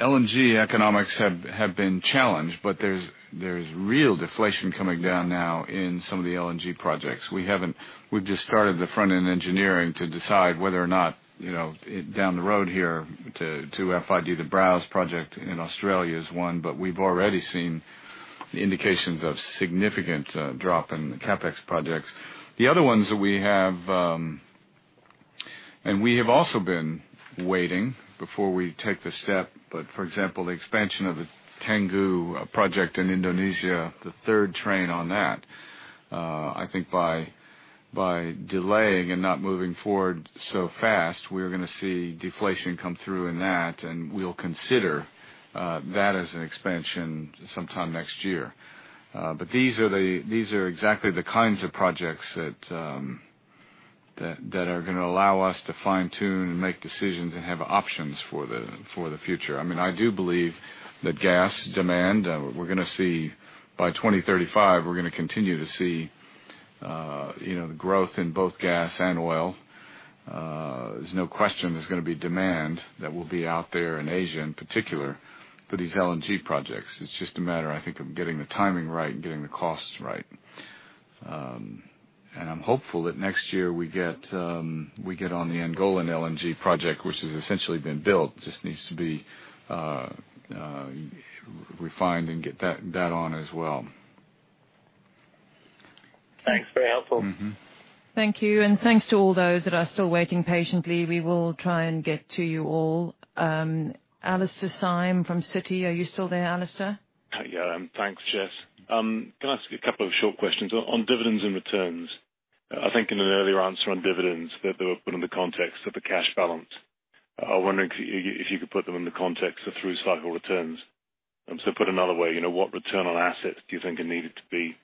LNG economics have been challenged. There's real deflation coming down now in some of the LNG projects. We've just started the front-end engineering to decide whether or not, down the road here, to FID the Browse project in Australia is one. We've already seen indications of significant drop in the CapEx projects. We have also been waiting before we take the step. For example, the expansion of the Tangguh project in Indonesia, the third train on that. I think by delaying and not moving forward so fast, we're going to see deflation come through in that, and we'll consider that as an expansion sometime next year. These are exactly the kinds of projects that are going to allow us to fine-tune and make decisions and have options for the future. I do believe that gas demand, by 2035, we're going to continue to see growth in both gas and oil. There's no question there's going to be demand that will be out there in Asia, in particular, for these LNG projects. It's just a matter, I think, of getting the timing right and getting the costs right. I'm hopeful that next year we get on the Angola LNG project, which has essentially been built, just needs to be refined and get that on as well. Thanks. Very helpful. Thank you, thanks to all those that are still waiting patiently. We will try and get to you all. Alastair Syme from Citi. Are you still there, Alastair? Yeah. Thanks, Jess. Can I ask a couple of short questions on dividends and returns? I think in an earlier answer on dividends, that they were put in the context of the cash balance. I'm wondering if you could put them in the context of through-cycle returns. Put another way, what return on assets do you think are needed to be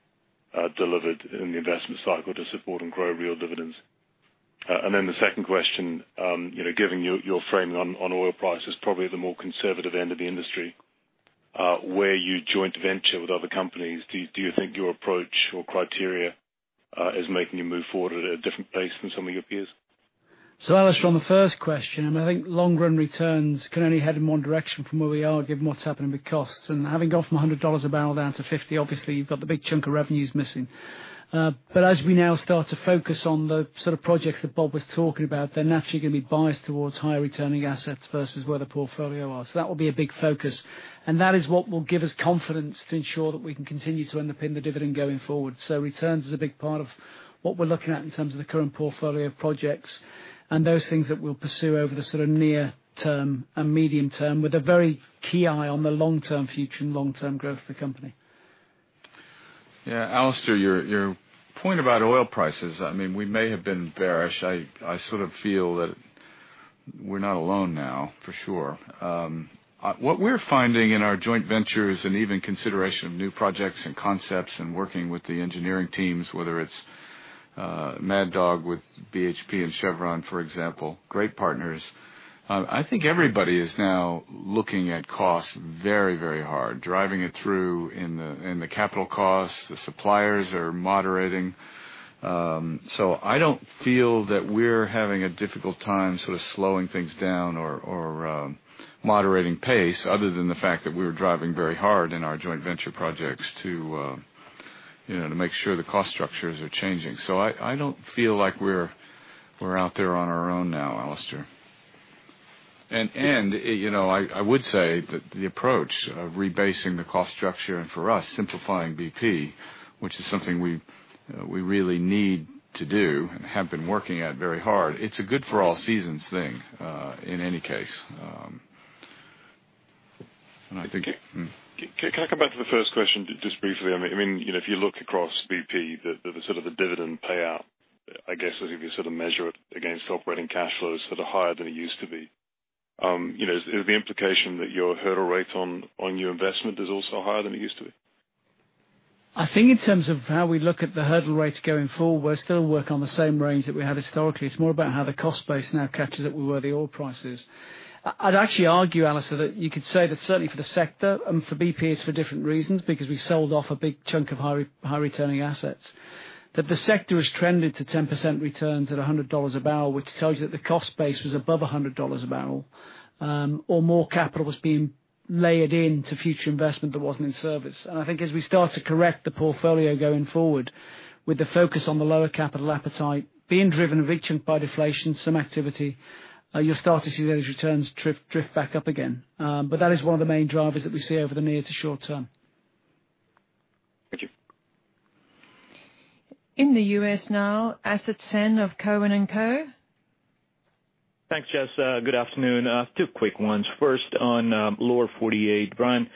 delivered in the investment cycle to support and grow real dividends? Then the second question, given your framing on oil prices, probably the more conservative end of the industry. Where you joint venture with other companies, do you think your approach or criteria is making you move forward at a different pace than some of your peers? Alastair, on the first question, I think long run returns can only head in one direction from where we are, given what's happening with costs. Having gone from $100 a barrel down to $50, obviously you've got the big chunk of revenues missing. As we now start to focus on the sort of projects that Bob was talking about, they're naturally going to be biased towards higher returning assets versus where the portfolio are. That will be a big focus, and that is what will give us confidence to ensure that we can continue to underpin the dividend going forward. Returns is a big part of what we're looking at in terms of the current portfolio of projects and those things that we'll pursue over the near term and medium term with a very key eye on the long-term future and long-term growth of the company. Yeah, Alastair, your point about oil prices. We may have been bearish. I sort of feel that we're not alone now, for sure. What we're finding in our joint ventures and even consideration of new projects and concepts and working with the engineering teams, whether it's Mad Dog with BHP and Chevron, for example, great partners. I think everybody is now looking at costs very hard, driving it through in the capital costs. The suppliers are moderating. I don't feel that we're having a difficult time sort of slowing things down or moderating pace other than the fact that we're driving very hard in our joint venture projects to make sure the cost structures are changing. I don't feel like we're out there on our own now, Alastair. I would say that the approach of rebasing the cost structure and for us simplifying BP, which is something we really need to do and have been working at very hard, it's a good for all seasons thing, in any case. I think- Can I come back to the first question just briefly? If you look across BP, the sort of the dividend payout, I guess as if you sort of measure it against operating cash flows sort of higher than it used to be. Is the implication that your hurdle rate on your investment is also higher than it used to be? I think in terms of how we look at the hurdle rates going forward, we still work on the same range that we have historically. It's more about how the cost base now catches up with where the oil price is. I'd actually argue, Alastair, that you could say that certainly for the sector and for BP, it's for different reasons, because we sold off a big chunk of high returning assets, that the sector has trended to 10% returns at $100 a barrel, which tells you that the cost base was above $100 a barrel, or more capital was being layered into future investment that wasn't in service. I think as we start to correct the portfolio going forward with the focus on the lower capital appetite being driven, reaching by deflation some activity, you'll start to see those returns drift back up again. That is one of the main drivers that we see over the near to short term. Thank you. In the U.S. now, Asad Syr of Cowen and Company. Thanks, Jess. Good afternoon. Two quick ones. First on Lower 48. Brian,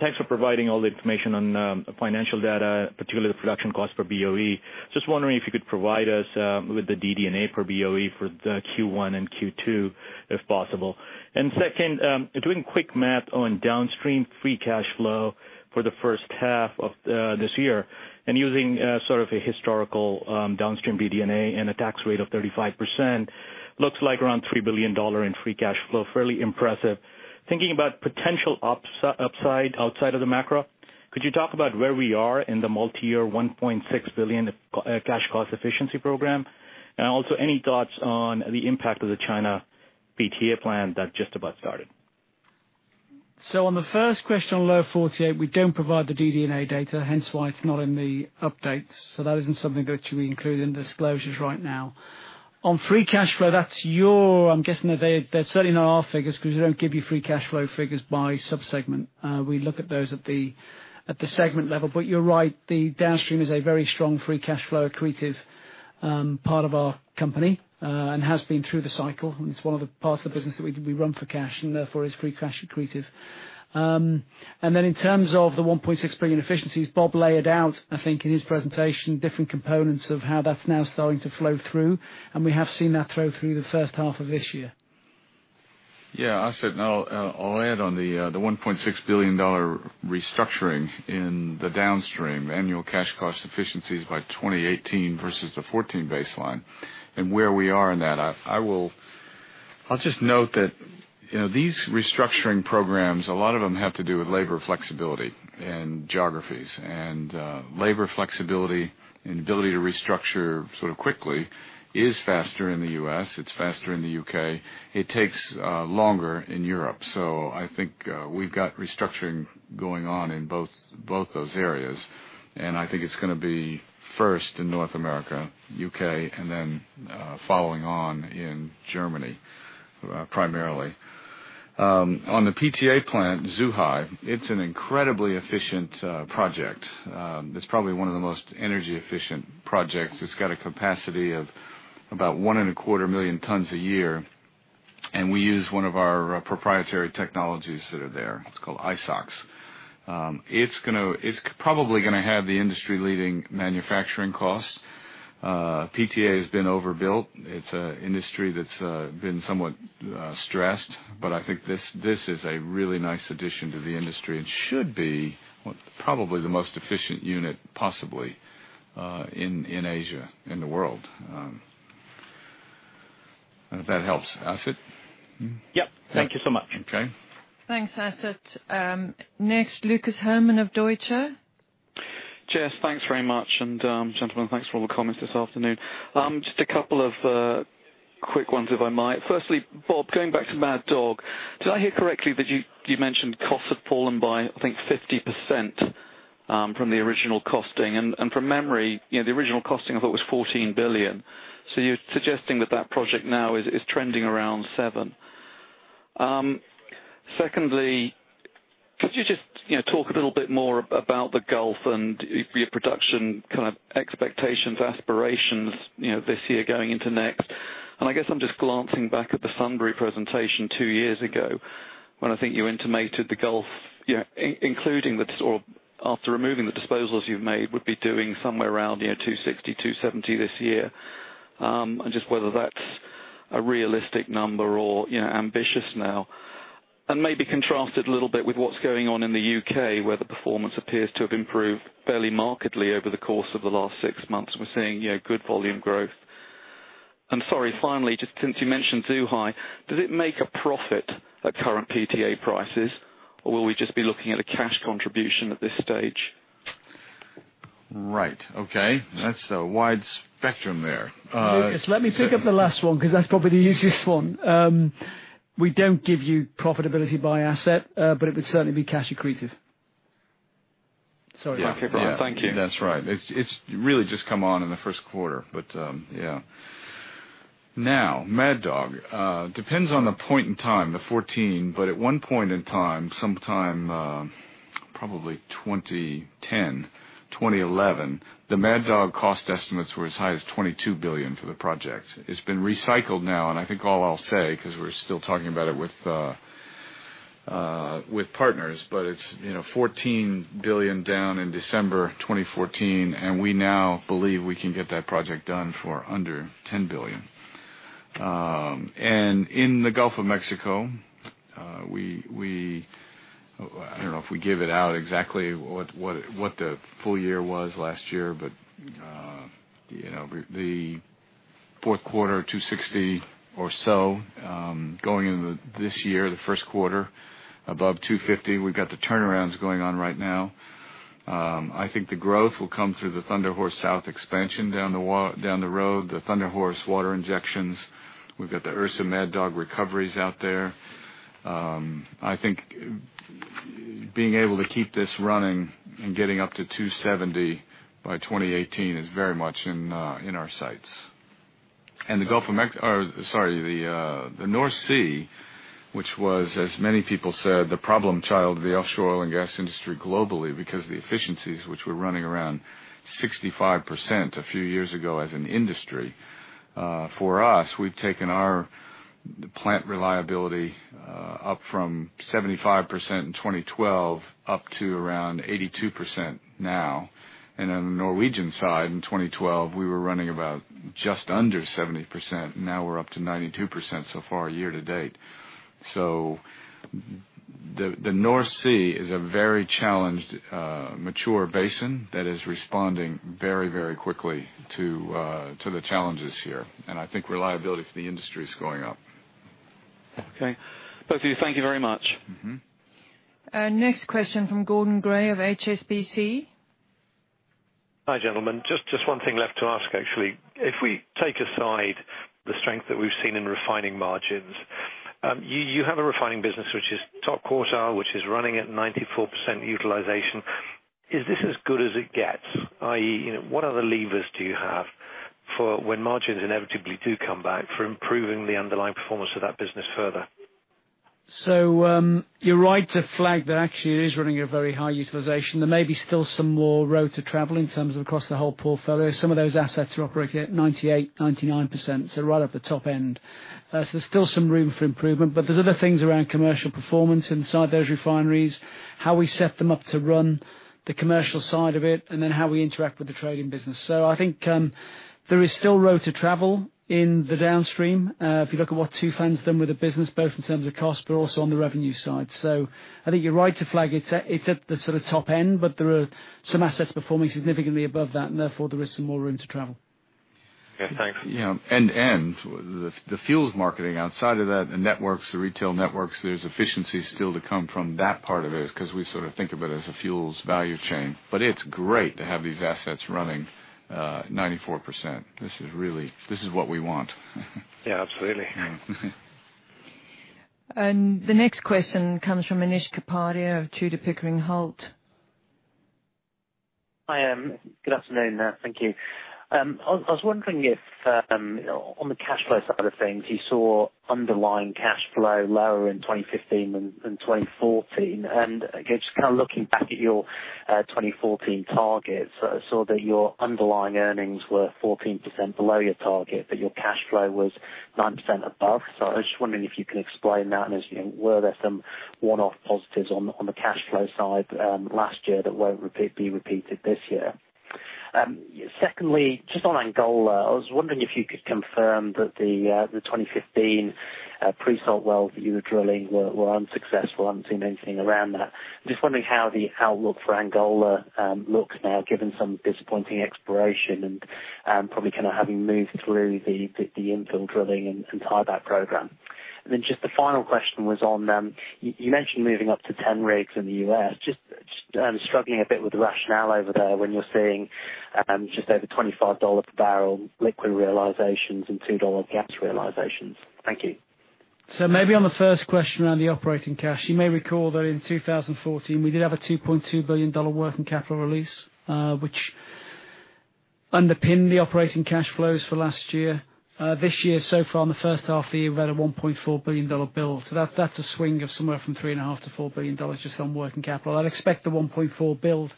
thanks for providing all the information on financial data, particularly the production cost per BOE. Just wondering if you could provide us with the DD&A per BOE for Q1 and Q2, if possible. Second, doing quick math on downstream free cash flow for the first half of this year, and using sort of a historical downstream DD&A and a tax rate of 35% looks like around $3 billion in free cash flow. Fairly impressive. Thinking about potential upside outside of the macro, could you talk about where we are in the multi-year $1.6 billion cash cost efficiency program? Also, any thoughts on the impact of the China PTA plant that just about started? On the first question on Lower 48, we don't provide the DD&A data, hence why it's not in the updates. That isn't something that we include in disclosures right now. On free cash flow, that's your, I'm guessing they're certainly not our figures because we don't give you free cash flow figures by sub-segment. We look at those at the segment level. You're right, the downstream is a very strong free cash flow accretive part of our company, and has been through the cycle. It's one of the parts of the business that we run for cash and therefore is free cash accretive. Then in terms of the $1.6 billion efficiencies, Bob layered out, I think, in his presentation, different components of how that's now starting to flow through, and we have seen that flow through the first half of this year. Yeah. Asad, I'll add on the $1.6 billion restructuring in the downstream annual cash cost efficiencies by 2018 versus the 2014 baseline and where we are in that. I'll just note that these restructuring programs, a lot of them have to do with labor flexibility and geographies. Labor flexibility and ability to restructure sort of quickly is faster in the U.S., it's faster in the U.K. It takes longer in Europe. I think we've got restructuring going on in both those areas. I think it's going to be first in North America, U.K., and then following on in Germany, primarily. On the PTA plant, Zhuhai, it's an incredibly efficient project. It's probably one of the most energy efficient projects. It's got a capacity of about one and a quarter million tons a year, and we use one of our proprietary technologies that are there. It's called ISOCS. It's probably going to have the industry leading manufacturing cost. PTA has been overbuilt. It's an industry that's been somewhat stressed, but I think this is a really nice addition to the industry and should be probably the most efficient unit possibly in Asia, in the world. I hope that helps, Asad. Yep. Thank you so much. Okay. Thanks, Asad. Next, Lucas Herrmann of Deutsche. Jess, thanks very much. Gentlemen, thanks for all the comments this afternoon. Just a couple of quick ones, if I might. Firstly, Bob, going back to Mad Dog, did I hear correctly that you mentioned costs have fallen by, I think 50% from the original costing? From memory, the original costing I thought was $14 billion. You're suggesting that that project now is trending around $7 billion. Secondly, could you just talk a little bit more about the Gulf and your production kind of expectations, aspirations, this year going into next? I guess I'm just glancing back at the Sunbury presentation two years ago. When I think you intimated the Gulf, including after removing the disposals you've made, would be doing somewhere around 260, 270 this year. Just whether that's a realistic number or ambitious now. Maybe contrast it a little bit with what's going on in the U.K., where the performance appears to have improved fairly markedly over the course of the last six months. We're seeing good volume growth. Sorry, finally, just since you mentioned Zhuhai, does it make a profit at current PTA prices, or will we just be looking at a cash contribution at this stage? Right. Okay. That's a wide spectrum there. Lucas, let me pick up the last one, because that's probably the easiest one. We don't give you profitability by asset, but it would certainly be cash accretive. Sorry. Okay. Thank you. That's right. It's really just come on in the first quarter. Mad Dog. Depends on the point in time, the 14, but at one point in time, sometime probably 2010, 2011, the Mad Dog cost estimates were as high as $22 billion for the project. It's been recycled now, I think all I'll say, because we're still talking about it with partners, but it's $14 billion down in December 2014, we now believe we can get that project done for under $10 billion. In the Gulf of Mexico, I don't know if we give it out exactly what the full year was last year, but the fourth quarter, 260 or so. Going into this year, the first quarter, above 250. We've got the turnarounds going on right now. I think the growth will come through the Thunder Horse South expansion down the road, the Thunder Horse water injections. We've got the Ursa Mad Dog recoveries out there. I think being able to keep this running and getting up to 270 by 2018 is very much in our sights. The North Sea, which was, as many people said, the problem child of the offshore oil and gas industry globally because the efficiencies which were running around 65% a few years ago as an industry. For us, we've taken our plant reliability up from 75% in 2012 up to around 82% now. On the Norwegian side, in 2012, we were running about just under 70%, now we're up to 92% so far year to date. The North Sea is a very challenged, mature basin that is responding very quickly to the challenges here. I think reliability for the industry is going up. Both of you, thank you very much. Next question from Gordon Gray of HSBC. Hi, gentlemen. Just one thing left to ask, actually. If we take aside the strength that we've seen in refining margins, you have a refining business which is top quartile, which is running at 94% utilization. Is this as good as it gets? I.e., what other levers do you have for when margins inevitably do come back for improving the underlying performance of that business further? You're right to flag that actually it is running a very high utilization. There may be still some more road to travel in terms of across the whole portfolio. Some of those assets are operating at 98%, 99%, so right at the top end. There's still some room for improvement, but there's other things around commercial performance inside those refineries, how we set them up to run the commercial side of it, and then how we interact with the trading business. I think there is still road to travel in the downstream. If you look at what Tufan's done with the business, both in terms of cost, but also on the revenue side. I think you're right to flag it's at the sort of top end, but there are some assets performing significantly above that, and therefore, there is some more room to travel. Yeah, thanks. Yeah. The fuels marketing outside of that, the networks, the retail networks, there's efficiencies still to come from that part of it, because we sort of think of it as a fuels value chain. It's great to have these assets running 94%. This is what we want. Yeah, absolutely. Yeah. The next question comes from Anish Kapadia of Tudor, Pickering Holt. Hi. Good afternoon. Thank you. I was wondering if on the cash flow side of things, you saw underlying cash flow lower in 2015 than 2014. Again, just kind of looking back at your 2014 targets, I saw that your underlying earnings were 14% below your target, but your cash flow was 9% above. I was just wondering if you can explain that, Anish. Were there some one-off positives on the cash flow side last year that won't be repeated this year? Secondly, just on Angola, I was wondering if you could confirm that the 2015 pre-salt wells that you were drilling were unsuccessful. I haven't seen anything around that. I'm just wondering how the outlook for Angola looks now, given some disappointing exploration and probably kind of having moved through the infill drilling and tieback program. Just the final question was on, you mentioned moving up to 10 rigs in the U.S. Just struggling a bit with the rationale over there when you're seeing just over $25 per barrel liquid realizations and $2 gas realizations. Thank you. Maybe on the first question around the operating cash, you may recall that in 2014, we did have a $2.2 billion working capital release, which underpinned the operating cash flows for last year. This year, so far in the first half of the year, we've had a $1.4 billion build. That's a swing of somewhere from $3.5 billion-$4 billion just on working capital. I'd expect the $1.4 billion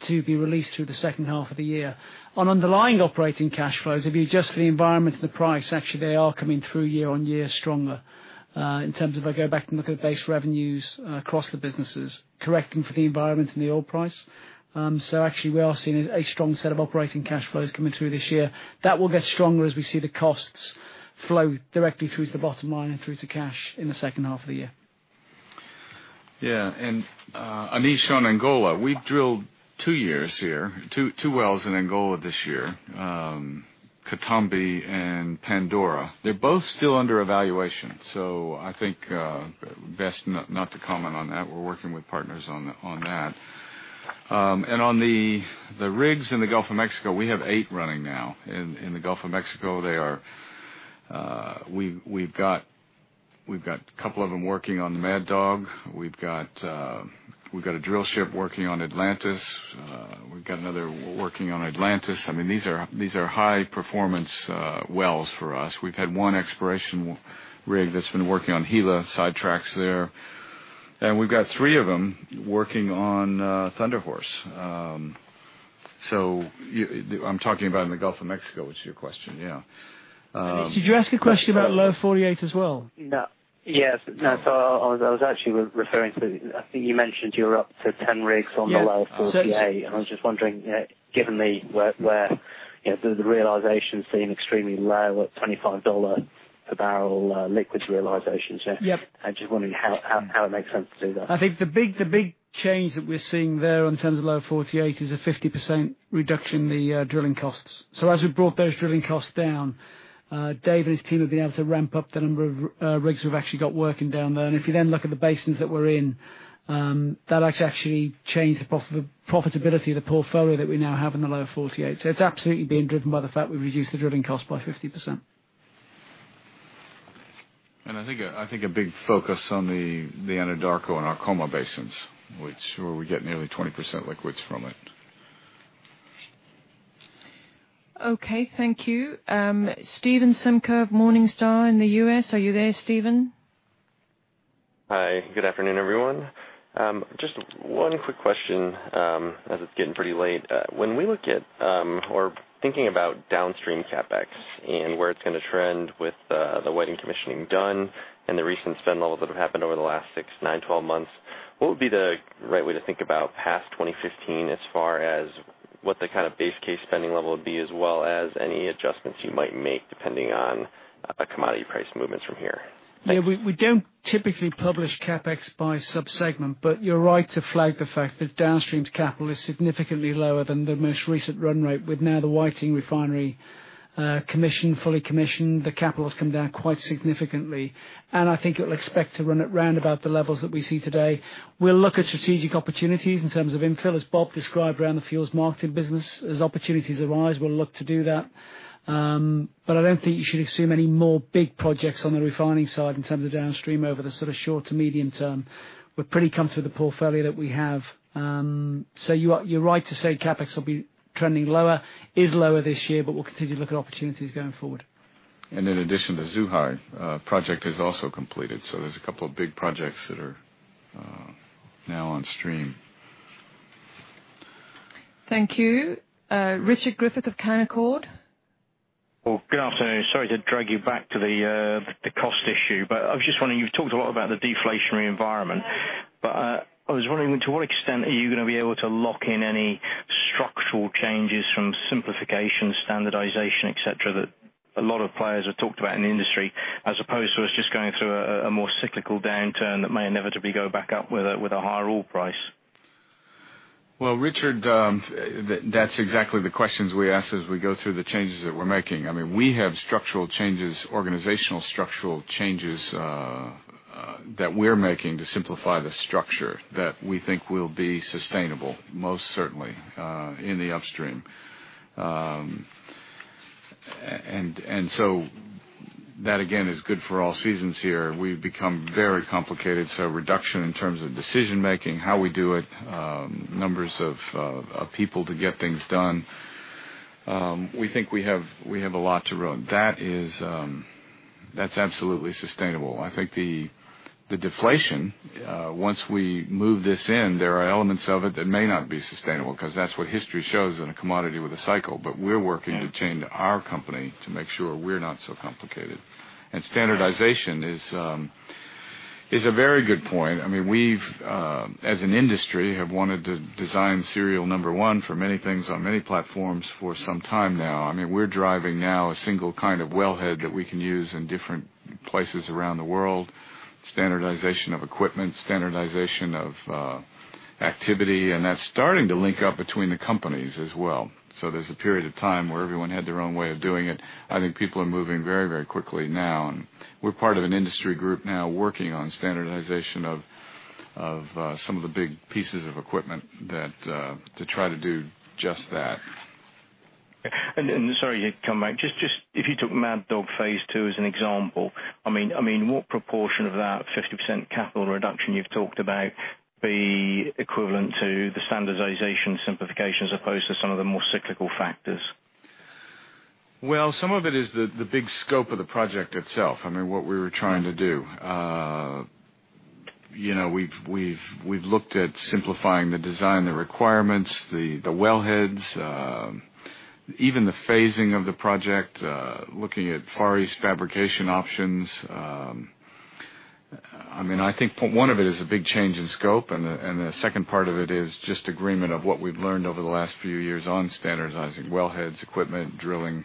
to be released through the second half of the year. On underlying operating cash flows, if you adjust for the environment and the price, actually, they are coming through year-on-year stronger. In terms of, I go back and look at base revenues across the businesses, correcting for the environment and the oil price. Actually, we are seeing a strong set of operating cash flows coming through this year. That will get stronger as we see the costs flow directly through to the bottom line and through to cash in the second half of the year. Yeah. Anish, on Angola, we drilled two wells in Angola this year, Katambi and Pandora. They're both still under evaluation, I think best not to comment on that. We're working with partners on that. On the rigs in the Gulf of Mexico, we have eight running now. In the Gulf of Mexico, we've got a couple of them working on Mad Dog. We've got a drill ship working on Atlantis. We've got another working on Atlantis. These are high-performance wells for us. We've had one exploration rig that's been working on Gila, sidetracks there. We've got three of them working on Thunder Horse. I'm talking about in the Gulf of Mexico, which is your question, yeah. Did you ask a question about Lower 48 as well? Yes. I was actually referring to, I think you mentioned you're up to 10 rigs on the- Yeah Lower 48. I was just wondering, given the realizations seem extremely low at $25 per barrel liquids realization. Yep. I'm just wondering how it makes sense to do that. I think the big change that we're seeing there in terms of Lower 48 is a 50% reduction in the drilling costs. As we've brought those drilling costs down, Dave and his team have been able to ramp up the number of rigs we've actually got working down there. If you then look at the basins that we're in, that has actually changed the profitability of the portfolio that we now have in the Lower 48. It's absolutely being driven by the fact we've reduced the drilling cost by 50%. I think a big focus on the Anadarko and our Arkoma Basin, which we get nearly 20% liquids from it. Okay, thank you. Stephen Simko of Morningstar in the U.S. Are you there, Stephen? Hi. Good afternoon, everyone. Just one quick question, as it's getting pretty late. When we look at or thinking about downstream CapEx and where it's going to trend with the Whiting commissioning done and the recent spend levels that have happened over the last 6, 9, 12 months, what would be the right way to think about past 2015 as far as what the kind of base case spending level would be, as well as any adjustments you might make depending on commodity price movements from here? Yeah. We don't typically publish CapEx by sub-segment, but you're right to flag the fact that downstream's capital is significantly lower than the most recent run rate. With now the Whiting Refinery fully commissioned, the capital has come down quite significantly. I think you'll expect to run it round about the levels that we see today. We'll look at strategic opportunities in terms of infill, as Bob described around the fuels marketing business. Opportunities arise, we'll look to do that. I don't think you should assume any more big projects on the refining side in terms of downstream over the sort of short to medium term. We're pretty comfortable with the portfolio that we have. You're right to say CapEx will be trending lower, is lower this year, but we'll continue to look at opportunities going forward. In addition, the Zhuhai project is also completed, there's a couple of big projects that are now on stream. Thank you. Richard Griffith of Canaccord. Well, good afternoon. Sorry to drag you back to the cost issue, I was just wondering, you've talked a lot about the deflationary environment, I was just wondering to what extent are you going to be able to lock in any structural changes from simplification, standardization, et cetera, that a lot of players have talked about in the industry, as opposed to us just going through a more cyclical downturn that may inevitably go back up with a higher oil price? Well, Richard, that's exactly the questions we ask as we go through the changes that we're making. We have structural changes, organizational structural changes, that we're making to simplify the structure that we think will be sustainable, most certainly, in the upstream. That, again, is good for all seasons here. We've become very complicated. Reduction in terms of decision-making, how we do it, numbers of people to get things done. We think we have a lot to run. That's absolutely sustainable. I think the deflation, once we move this in, there are elements of it that may not be sustainable, because that's what history shows in a commodity with a cycle. We're working to change our company to make sure we're not so complicated. Standardization is a very good point. We've, as an industry, have wanted to design serial number one for many things on many platforms for some time now. We're driving now a single kind of wellhead that we can use in different places around the world, standardization of equipment, standardization of activity. That's starting to link up between the companies as well. There's a period of time where everyone had their own way of doing it. I think people are moving very quickly now, and we're part of an industry group now working on standardization of some of the big pieces of equipment to try to do just that. Sorry to come back. Just, if you took Mad Dog Phase 2 as an example, what proportion of that 50% capital reduction you've talked about be equivalent to the standardization simplification as opposed to some of the more cyclical factors? Well, some of it is the big scope of the project itself. What we were trying to do. We've looked at simplifying the design, the requirements, the wellheads, even the phasing of the project, looking at Far East fabrication options. I think one of it is a big change in scope. The second part of it is just agreement of what we've learned over the last few years on standardizing wellheads, equipment, drilling,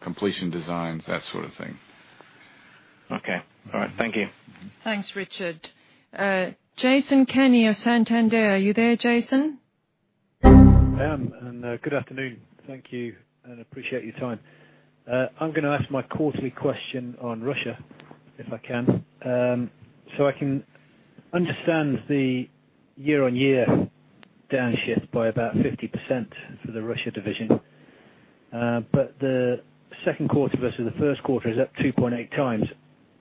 completion designs, that sort of thing. Okay. All right. Thank you. Thanks, Richard. Jason Kenney of Santander. Are you there, Jason? I am, good afternoon. Thank you, appreciate your time. I'm going to ask my quarterly question on Russia, if I can. I can understand the year-on-year downshift by about 50% for the Russia division. The second quarter versus the first quarter is up 2.8 times.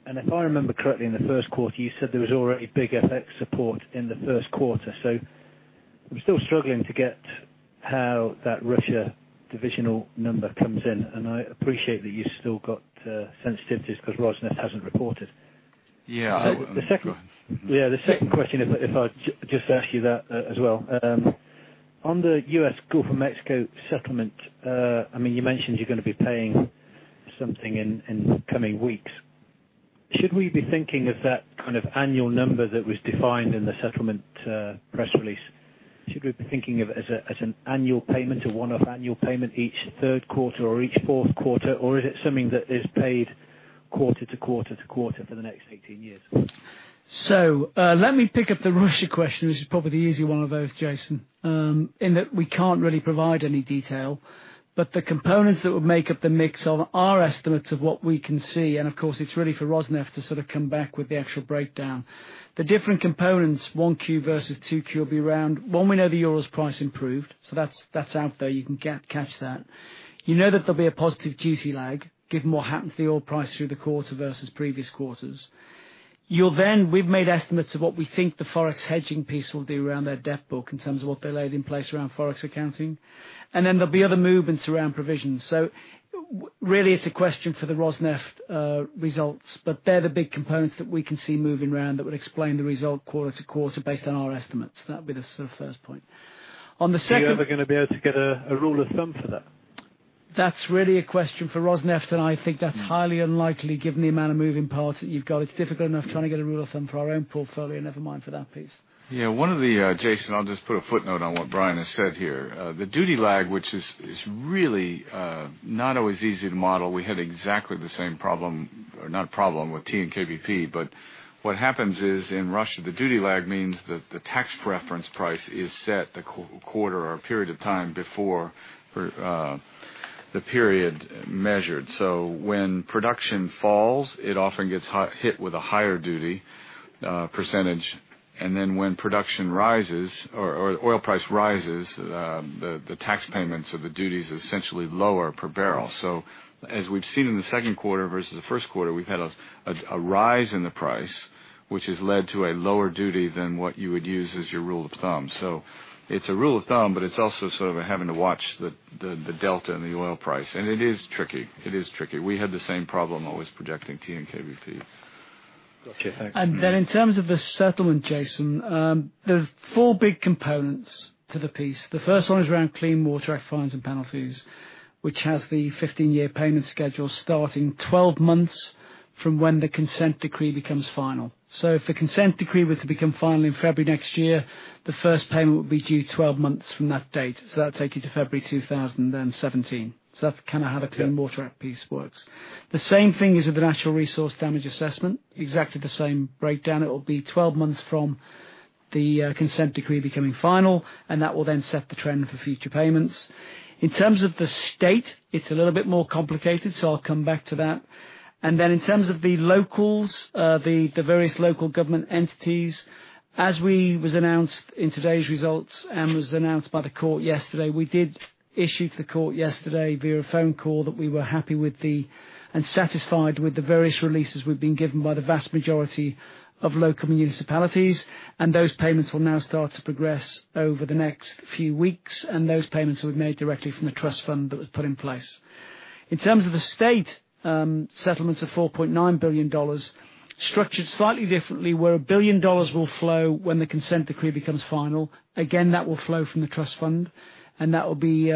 If I remember correctly, in the first quarter, you said there was already big FX support in the first quarter. I'm still struggling to get how that Russia divisional number comes in. And I appreciate that you still got sensitivities because Rosneft hasn't reported. Yeah. Go ahead. The second question, if I just ask you that as well. On the U.S. Gulf of Mexico settlement, you mentioned you're going to be paying something in the coming weeks. Should we be thinking of that kind of annual number that was defined in the settlement press release? Should we be thinking of it as an annual payment, a one-off annual payment each third quarter or each fourth quarter, or is it something that is paid quarter to quarter to quarter for the next 18 years? Let me pick up the Russia question, which is probably the easy one of those, Jason, in that we can't really provide any detail. The components that would make up the mix are our estimates of what we can see. Of course, it's really for Rosneft to sort of come back with the actual breakdown. The different components, 1Q versus 2Q, will be around, one, we know the EUR price improved. That's out there. You can catch that. You know that there'll be a positive duty lag, given what happened to the oil price through the quarter versus previous quarters. We've made estimates of what we think the forex hedging piece will do around their debt book in terms of what they laid in place around forex accounting. Then there'll be other movements around provisions. Really, it's a question for the Rosneft results, they're the big components that we can see moving around that would explain the result quarter to quarter based on our estimates. That'd be the sort of first point. Are you ever going to be able to get a rule of thumb for that? That's really a question for Rosneft, and I think that's highly unlikely given the amount of moving parts that you've got. It's difficult enough trying to get a rule of thumb for our own portfolio, never mind for that piece. Yeah. Jason, I'll just put a footnote on what Brian has said here. The duty lag, which is really not always easy to model. We had exactly the same problem, or not problem, with TNK-BP. What happens is, in Russia, the duty lag means that the tax reference price is set the quarter or a period of time before the period measured. When production falls, it often gets hit with a higher duty %, and then when production rises or oil price rises, the tax payments or the duty is essentially lower per barrel. As we've seen in the second quarter versus the first quarter, we've had a rise in the price, which has led to a lower duty than what you would use as your rule of thumb. It's a rule of thumb, but it's also sort of having to watch the delta in the oil price. It is tricky. We had the same problem always projecting TNK-BP. Got you. Thank you. In terms of the settlement, Jason, there are 4 big components to the piece. The first one is around Clean Water Act fines and penalties, which has the 15-year payment schedule starting 12 months from when the consent decree becomes final. If the consent decree were to become final in February next year, the first payment would be due 12 months from that date. That'll take you to February 2017. That's kind of how the Clean Water Act piece works. The same thing is with the Natural Resource Damage Assessment. Exactly the same breakdown. It will be 12 months from the consent decree becoming final, and that will then set the trend for future payments. In terms of the state, it's a little bit more complicated, I'll come back to that. In terms of the locals, the various local government entities, as was announced in today's results and was announced by the court yesterday, we did issue to the court yesterday via a phone call that we were happy with the, and satisfied with the various releases we've been given by the vast majority of local municipalities, and those payments will now start to progress over the next few weeks, and those payments will be made directly from the trust fund that was put in place. In terms of the state settlements of $4.9 billion, structured slightly differently, where $1 billion will flow when the consent decree becomes final. Again, that will flow from the trust fund, and that will be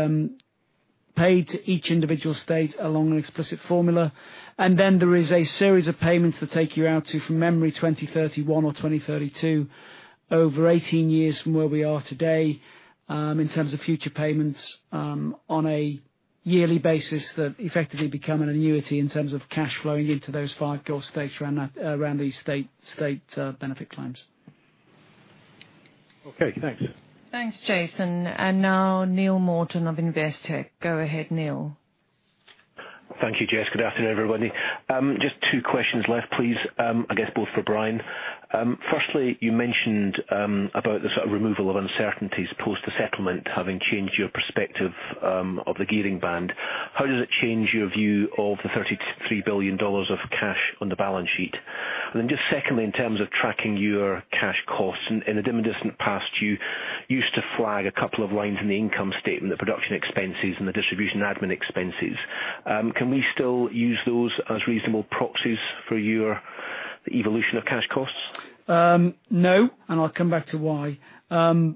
paid to each individual state along an explicit formula. There is a series of payments that take you out to, from memory, 2031 or 2032, over 18 years from where we are today, in terms of future payments on a yearly basis that effectively become an annuity in terms of cash flowing into those 5 Gulf states around these state benefit claims. Okay, thanks. Thanks, Jason. Now Neil Morton of Investec. Go ahead, Neil. Thank you, Jess. Good afternoon, everybody. Just 2 questions left, please. I guess both for Brian. Firstly, you mentioned about the sort of removal of uncertainties post the settlement having changed your perspective of the gearing band. How does it change your view of the $33 billion of cash on the balance sheet? Secondly, in terms of tracking your cash costs. In the distant past, you used to flag a couple of lines in the income statement, the production expenses and the distribution admin expenses. Can we still use those as reasonable proxies for your evolution of cash costs? No, I'll come back to why. There are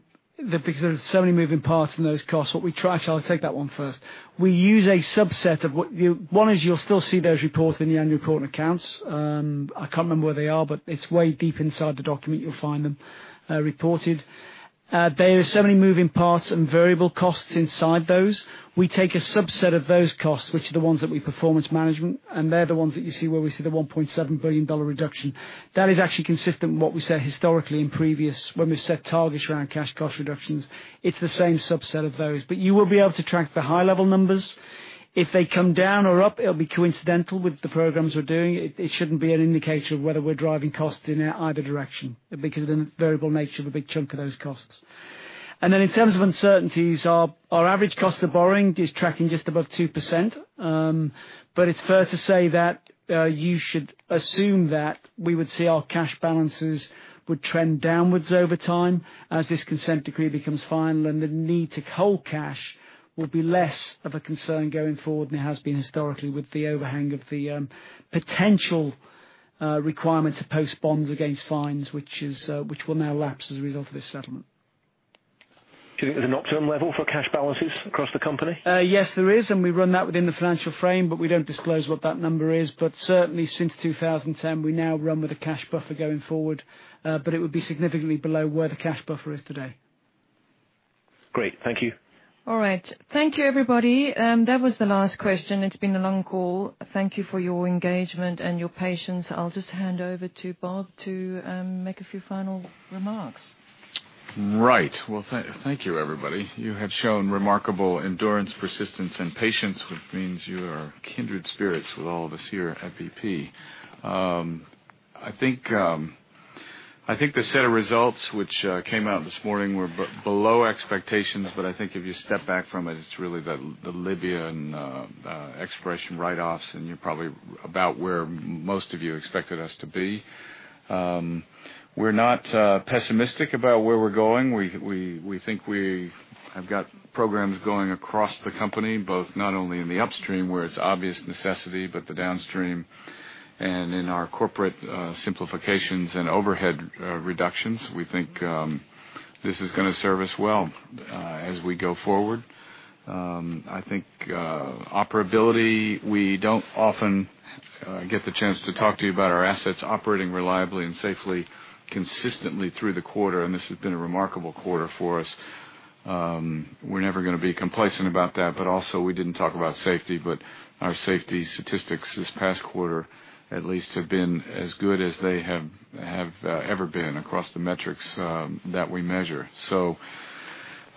so many moving parts in those costs. I'll take that 1 first. 1 is you'll still see those reported in the annual report and accounts. I can't remember where they are, but it's way deep inside the document you'll find them reported. There are so many moving parts and variable costs inside those. We take a subset of those costs, which are the ones that we performance management, and they're the ones that you see where we see the $1.7 billion reduction. That is actually consistent with what we said historically in previous, when we set targets around cash cost reductions. It's the same subset of those. You will be able to track the high level numbers. If they come down or up, it'll be coincidental with the programs we're doing. It shouldn't be an indicator of whether we're driving costs in either direction, because of the variable nature of a big chunk of those costs. Then in terms of uncertainties, our average cost of borrowing is tracking just above 2%. It's fair to say that, you should assume that we would see our cash balances would trend downwards over time as this consent decree becomes final. The need to cold cash will be less of a concern going forward than it has been historically with the overhang of the potential requirement to post bonds against fines, which will now lapse as a result of this settlement. Do you think there's an optimum level for cash balances across the company? Yes, there is. We run that within the financial frame, but we don't disclose what that number is. Certainly since 2010, we now run with a cash buffer going forward. It would be significantly below where the cash buffer is today. Great, thank you. All right. Thank you, everybody. That was the last question. It's been a long call. Thank you for your engagement and your patience. I'll just hand over to Bob to make a few final remarks. Right. Well, thank you, everybody. You have shown remarkable endurance, persistence, and patience, which means you are kindred spirits with all of us here at BP. I think the set of results which came out this morning were below expectations. I think if you step back from it's really the Libya and exploration write-offs, and you're probably about where most of you expected us to be. We're not pessimistic about where we're going. We think we have got programs going across the company, both not only in the upstream where it's obvious necessity, but the downstream. In our corporate simplifications and overhead reductions, we think this is going to serve us well as we go forward. I think operability, we don't often get the chance to talk to you about our assets operating reliably and safely, consistently through the quarter, and this has been a remarkable quarter for us. We're never going to be complacent about that, but also we didn't talk about safety, but our safety statistics this past quarter at least have been as good as they have ever been across the metrics that we measure.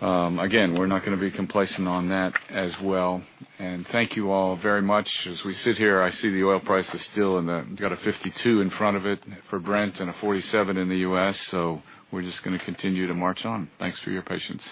Again, we're not going to be complacent on that as well. Thank you all very much. As we sit here, I see the oil price is still $52 for Brent and a $47 in the U.S., we're just going to continue to march on. Thanks for your patience.